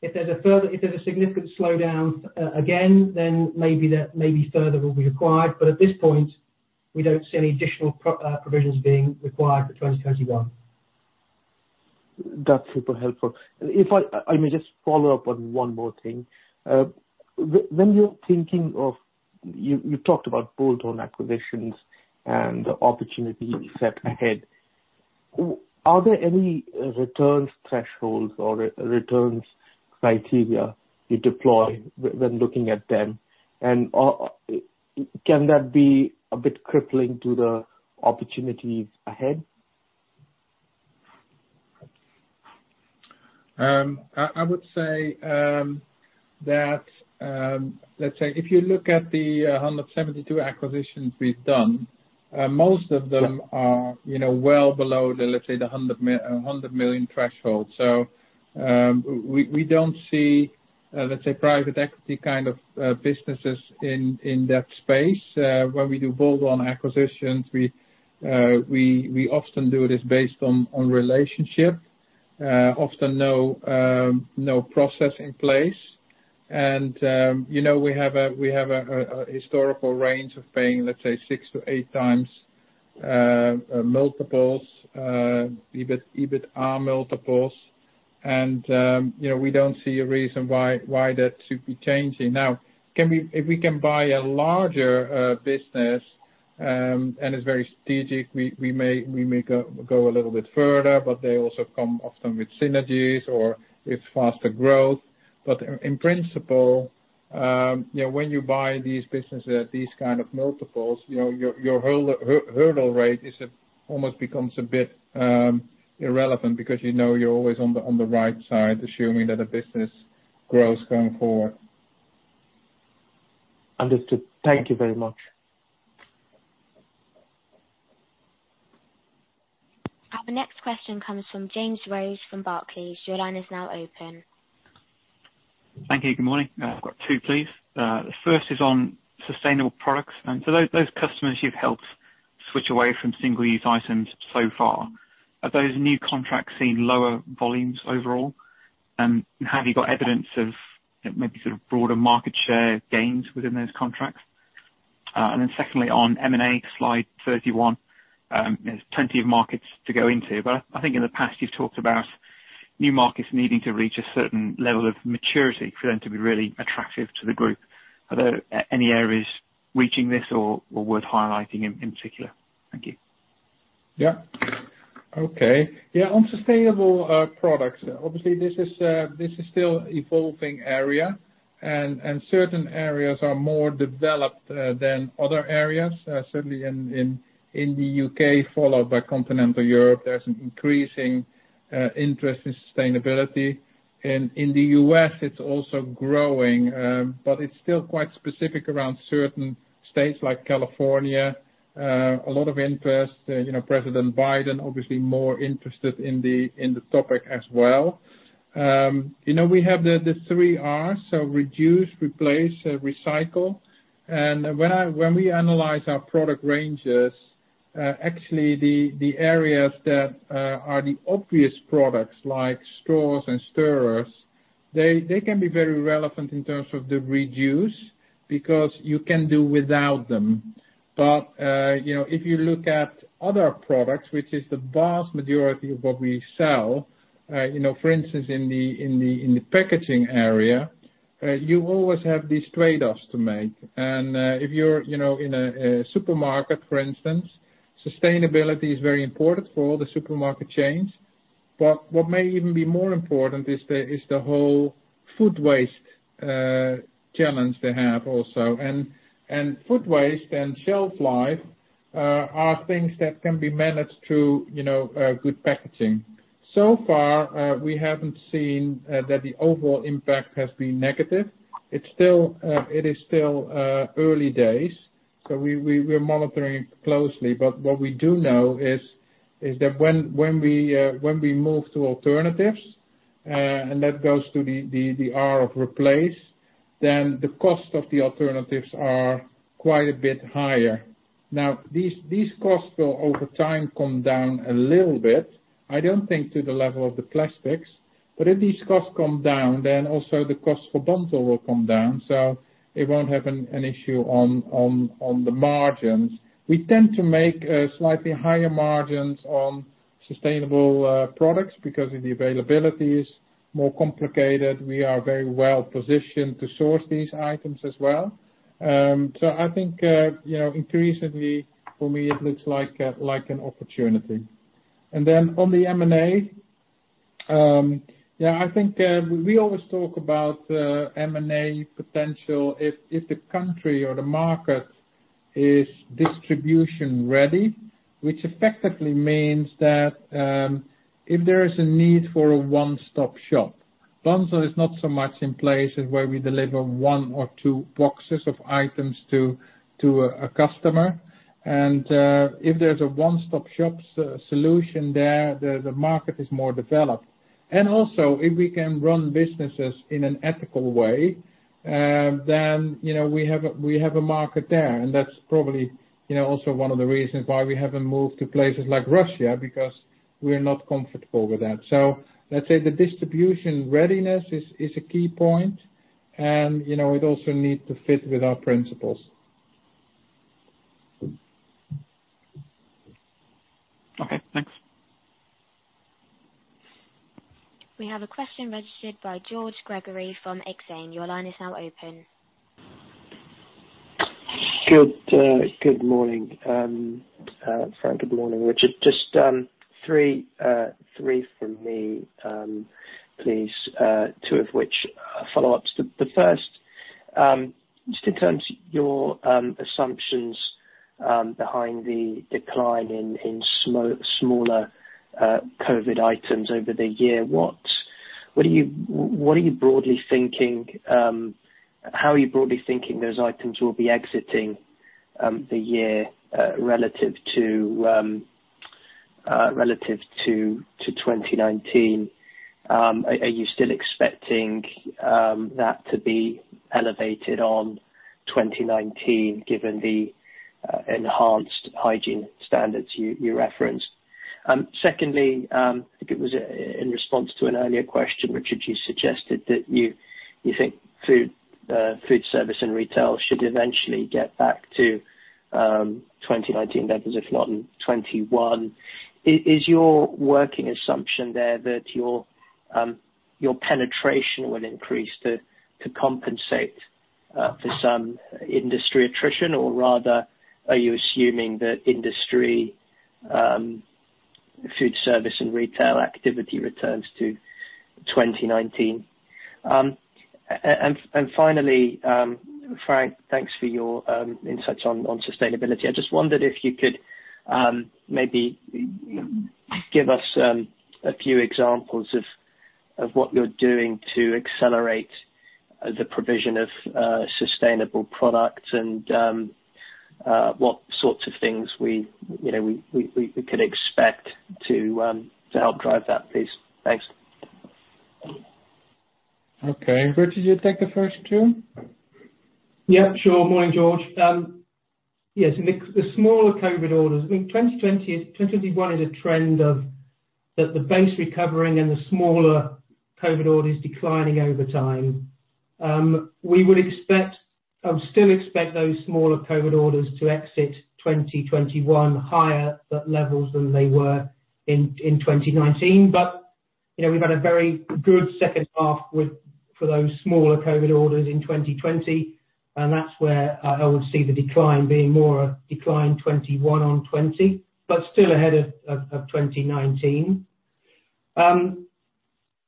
If there's a significant slowdown again, then maybe further will be required. At this point, we don't see any additional provisions being required for 2021. That's super helpful. If I may just follow up on one more thing. You talked about bolt-on acquisitions and the opportunity set ahead. Are there any returns thresholds or returns criteria you deploy when looking at them, and can that be a bit crippling to the opportunities ahead? I would say that, let's say, if you look at the 172 acquisitions we've done, most of them are well below, let's say, the 100 million threshold. We don't see private equity kind of businesses in that space. Where we do bolt-on acquisitions, we often do this based on relationship. Often no process in place. We have a historical range of paying, let's say 6x-8x multiples, EBITDA multiples. We don't see a reason why that should be changing. Now, if we can buy a larger business, and it's very strategic, we may go a little bit further, but they also come often with synergies or with faster growth. In principle, when you buy these businesses at these kind of multiples, your hurdle rate almost becomes a bit irrelevant because you know you're always on the right side, assuming that the business grows going forward. Understood. Thank you very much. Our next question comes from James Rose from Barclays. Your line is now open. Thank you. Good morning. I've got two, please. The first is on sustainable products. Those customers you've helped switch away from single-use items so far, have those new contracts seen lower volumes overall? Have you got evidence of maybe sort of broader market share gains within those contracts? Secondly, on M&A, slide 31, there's plenty of markets to go into, but I think in the past you've talked about new markets needing to reach a certain level of maturity for them to be really attractive to the group. Are there any areas reaching this or worth highlighting in particular? Thank you. Yeah. Okay. Yeah, on sustainable products, obviously this is still evolving area. Certain areas are more developed than other areas. Certainly in the U.K., followed by continental Europe, there's an increasing interest in sustainability. In the U.S., it's also growing, but it's still quite specific around certain states like California. A lot of interest, President Biden, obviously more interested in the topic as well. We have the three Rs, so reduce, replace, recycle. When we analyze our product ranges, actually the areas that are the obvious products, like straws and stirrers, they can be very relevant in terms of the reduce because you can do without them. If you look at other products, which is the vast majority of what we sell, for instance, in the packaging area, you always have these trade-offs to make. If you're in a supermarket, for instance, sustainability is very important for all the supermarket chains. What may even be more important is the whole food waste challenge they have also. Food waste and shelf life are things that can be managed through good packaging. So far, we haven't seen that the overall impact has been negative. It is still early days, so we're monitoring it closely. What we do know is that when we move to alternatives, and that goes to the R of replace, then the cost of the alternatives are quite a bit higher. Now, these costs will over time come down a little bit, I don't think to the level of the plastics. If these costs come down, then also the cost for Bunzl will come down, so it won't have an issue on the margins. We tend to make slightly higher margins on sustainable products because the availability is more complicated. We are very well positioned to source these items as well. I think, increasingly for me, it looks like an opportunity. On the M&A, I think we always talk about M&A potential if the country or the market is distribution-ready, which effectively means that if there is a need for a one-stop shop. Bunzl is not so much in places where we deliver one or two boxes of items to a customer. If there's a one-stop shop solution there, the market is more developed. Also, if we can run businesses in an ethical way, then we have a market there. That's probably also one of the reasons why we haven't moved to places like Russia because we're not comfortable with that. Let's say the distribution readiness is a key point, and it also needs to fit with our principles. Okay, thanks. We have a question registered by George Gregory from Exane. Good morning. Frank, good morning, Richard. Just three from me, please, two of which are follow-ups. The first, just in terms of your assumptions behind the decline in smaller COVID items over the year, how are you broadly thinking those items will be exiting the year relative to 2019? Are you still expecting that to be elevated on 2019 given the enhanced hygiene standards you referenced? Secondly, I think it was in response to an earlier question, Richard, you suggested that you think food service and retail should eventually get back to 2019 levels, if not in 2021. Is your working assumption there that your penetration will increase to compensate for some industry attrition? Or rather, are you assuming that industry food service and retail activity returns to 2019? Finally, Frank, thanks for your insights on sustainability. I just wondered if you could maybe give us a few examples of what you're doing to accelerate the provision of sustainable products and what sorts of things we could expect to help drive that, please. Thanks. Okay. Richard, you take the first two? Sure. Morning, George. Yes, the smaller COVID orders. I think 2021 is a trend of the base recovering and the smaller COVID orders declining over time. We would still expect those smaller COVID orders to exit 2021 higher at levels than they were in 2019. We've had a very good second half for those smaller COVID orders in 2020, and that's where I would see the decline being more a decline 2021 on 2020, but still ahead of 2019.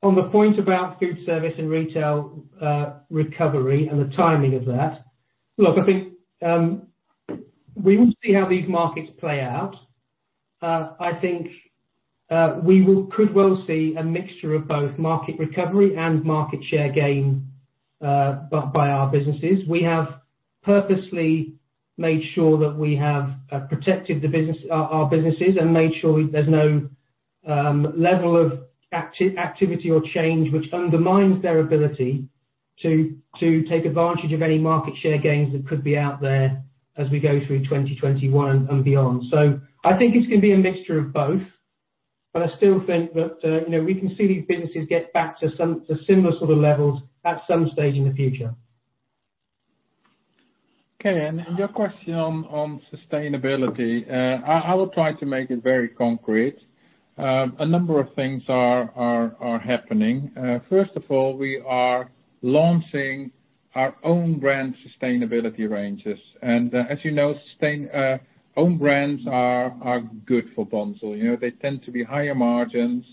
On the point about food service and retail recovery and the timing of that, look, I think we will see how these markets play out. I think we could well see a mixture of both market recovery and market share gain by our businesses. We have purposely made sure that we have protected our businesses and made sure there's no level of activity or change which undermines their ability to take advantage of any market share gains that could be out there as we go through 2021 and beyond. I think it's going to be a mixture of both. I still think that we can see these businesses get back to similar sort of levels at some stage in the future. Okay. Your question on sustainability, I will try to make it very concrete. A number of things are happening. First of all, we are launching our own brand sustainability ranges. As you know, own brands are good for Bunzl. They tend to be higher margins.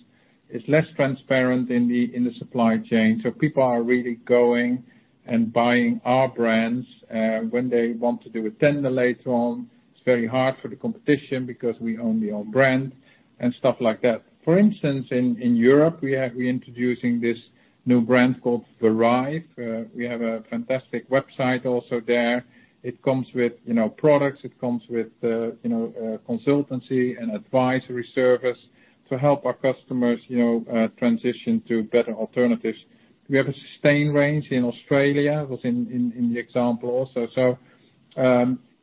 It's less transparent in the supply chain. People are really going and buying our brands. When they want to do a tender later on, it's very hard for the competition because we own the own brand and stuff like that. For instance, in Europe, we are introducing this new brand called Verive. We have a fantastic website also there. It comes with products, it comes with consultancy and advisory service to help our customers transition to better alternatives. We have a Sustain range in Australia, was in the example also.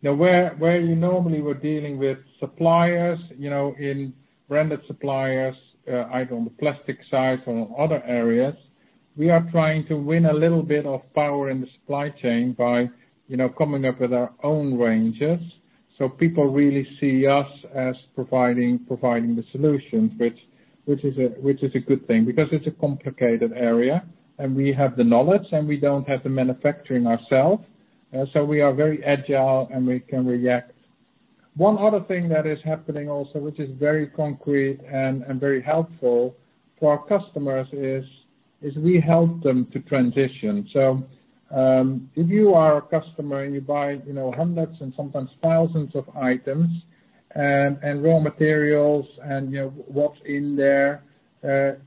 Where you normally were dealing with suppliers, in branded suppliers, either on the plastic side or on other areas, we are trying to win a little bit of power in the supply chain by coming up with our own ranges. People really see us as providing the solutions, which is a good thing because it's a complicated area, and we have the knowledge, and we don't have the manufacturing ourself. We are very agile, and we can react. One other thing that is happening also, which is very concrete and very helpful for our customers is, we help them to transition. If you are a customer and you buy hundreds and sometimes thousands of items and raw materials and what's in there,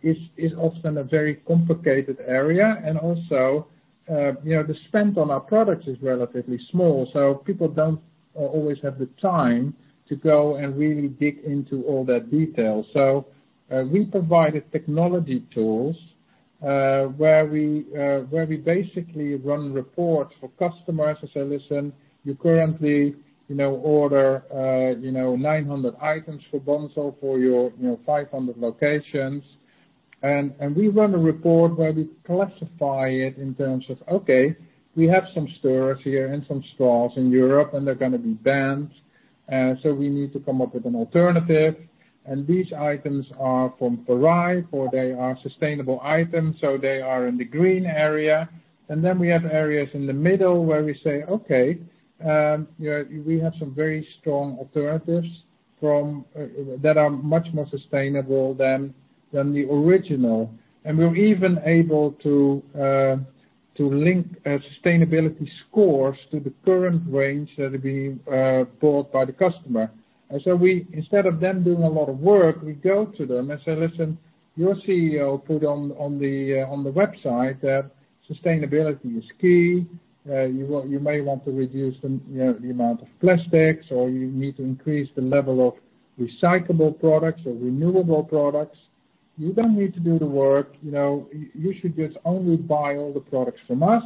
is often a very complicated area. Also, the spend on our products is relatively small, so people don't always have the time to go and really dig into all that detail. We provided technology tools, where we basically run reports for customers and say, "Listen, you currently order 900 items for Bunzl for your 500 locations." We run a report where we classify it in terms of, okay, we have some stores here and some stores in Europe, and they're going to be banned. We need to come up with an alternative. These items are from Verive, or they are sustainable items, they are in the green area. We have areas in the middle where we say, okay, we have some very strong alternatives that are much more sustainable than the original. We're even able to link sustainability scores to the current range that are being bought by the customer. Instead of them doing a lot of work, we go to them and say, "Listen, your CEO put on the website that sustainability is key. You may want to reduce the amount of plastics, or you need to increase the level of recyclable products or renewable products. You don't need to do the work. You should just only buy all the products from us."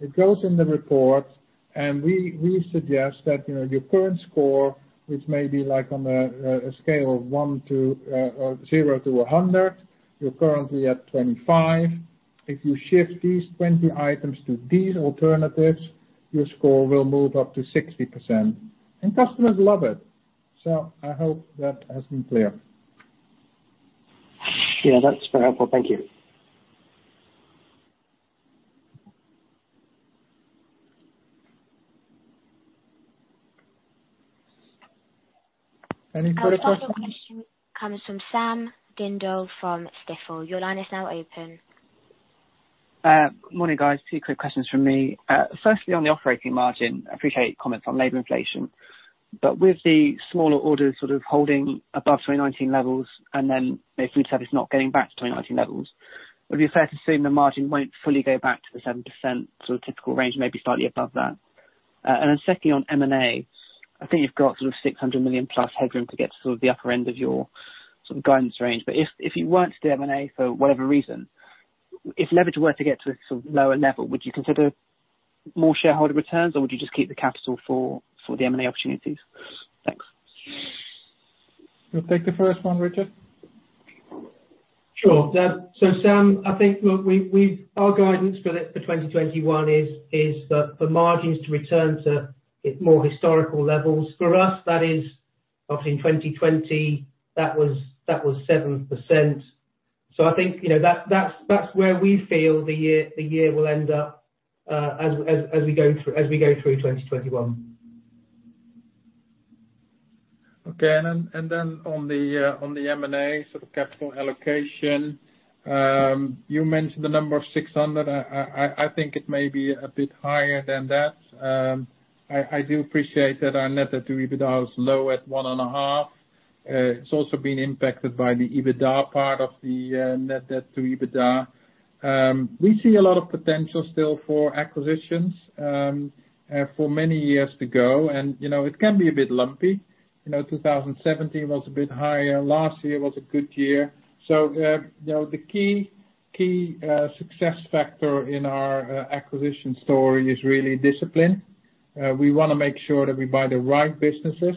It goes in the report, and we suggest that your current score, which may be on a scale of 0-100, you're currently at 25. If you shift these 20 items to these alternatives, your score will move up to 60%. Customers love it. I hope that has been clear. Yeah, that's very helpful. Thank you. Any further questions? Our final question comes from Sam Dindol from Stifel. Your line is now open. Morning, guys. Two quick questions from me. Firstly, on the operating margin, appreciate comments on labor inflation. With the smaller orders sort of holding above 2019 levels and then food service not getting back to 2019 levels, would it be fair to assume the margin won't fully go back to the 7% sort of typical range, maybe slightly above that? Secondly, on M&A, I think you've got sort of 600 million plus headroom to get to sort of the upper end of your sort of guidance range. If you weren't to do M&A for whatever reason, if leverage were to get to a sort of lower level, would you consider more shareholder returns, or would you just keep the capital for the M&A opportunities? Thanks. You take the first one, Richard? Sure. Sam, I think, look, our guidance for 2021 is that for margins to return to more historical levels. For us, that is obviously in 2020, that was 7%. I think that's where we feel the year will end up as we go through 2021. Okay. Then on the M&A sort of capital allocation, you mentioned the number of 600. I think it may be a bit higher than that. I do appreciate that our net debt to EBITDA was low at 1.5. It's also been impacted by the EBITDA part of the net debt to EBITDA. We see a lot of potential still for acquisitions for many years to go, and it can be a bit lumpy. 2017 was a bit higher. Last year was a good year. The key success factor in our acquisition story is really discipline. We want to make sure that we buy the right businesses.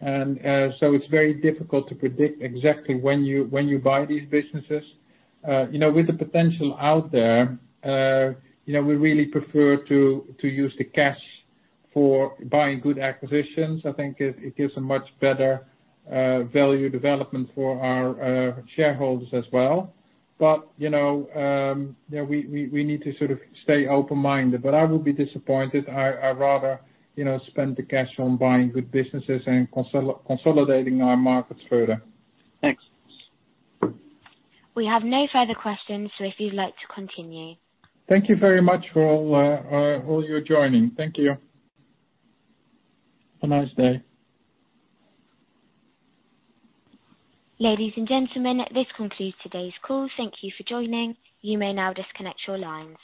It's very difficult to predict exactly when you buy these businesses. With the potential out there, we really prefer to use the cash for buying good acquisitions. I think it gives a much better value development for our shareholders as well. We need to sort of stay open-minded, but I would be disappointed. I rather spend the cash on buying good businesses and consolidating our markets further. Thanks. We have no further questions, if you'd like to continue. Thank you very much for all your joining. Thank you. Have a nice day. Ladies and gentlemen, this concludes today's call. Thank you for joining. You may now disconnect your lines.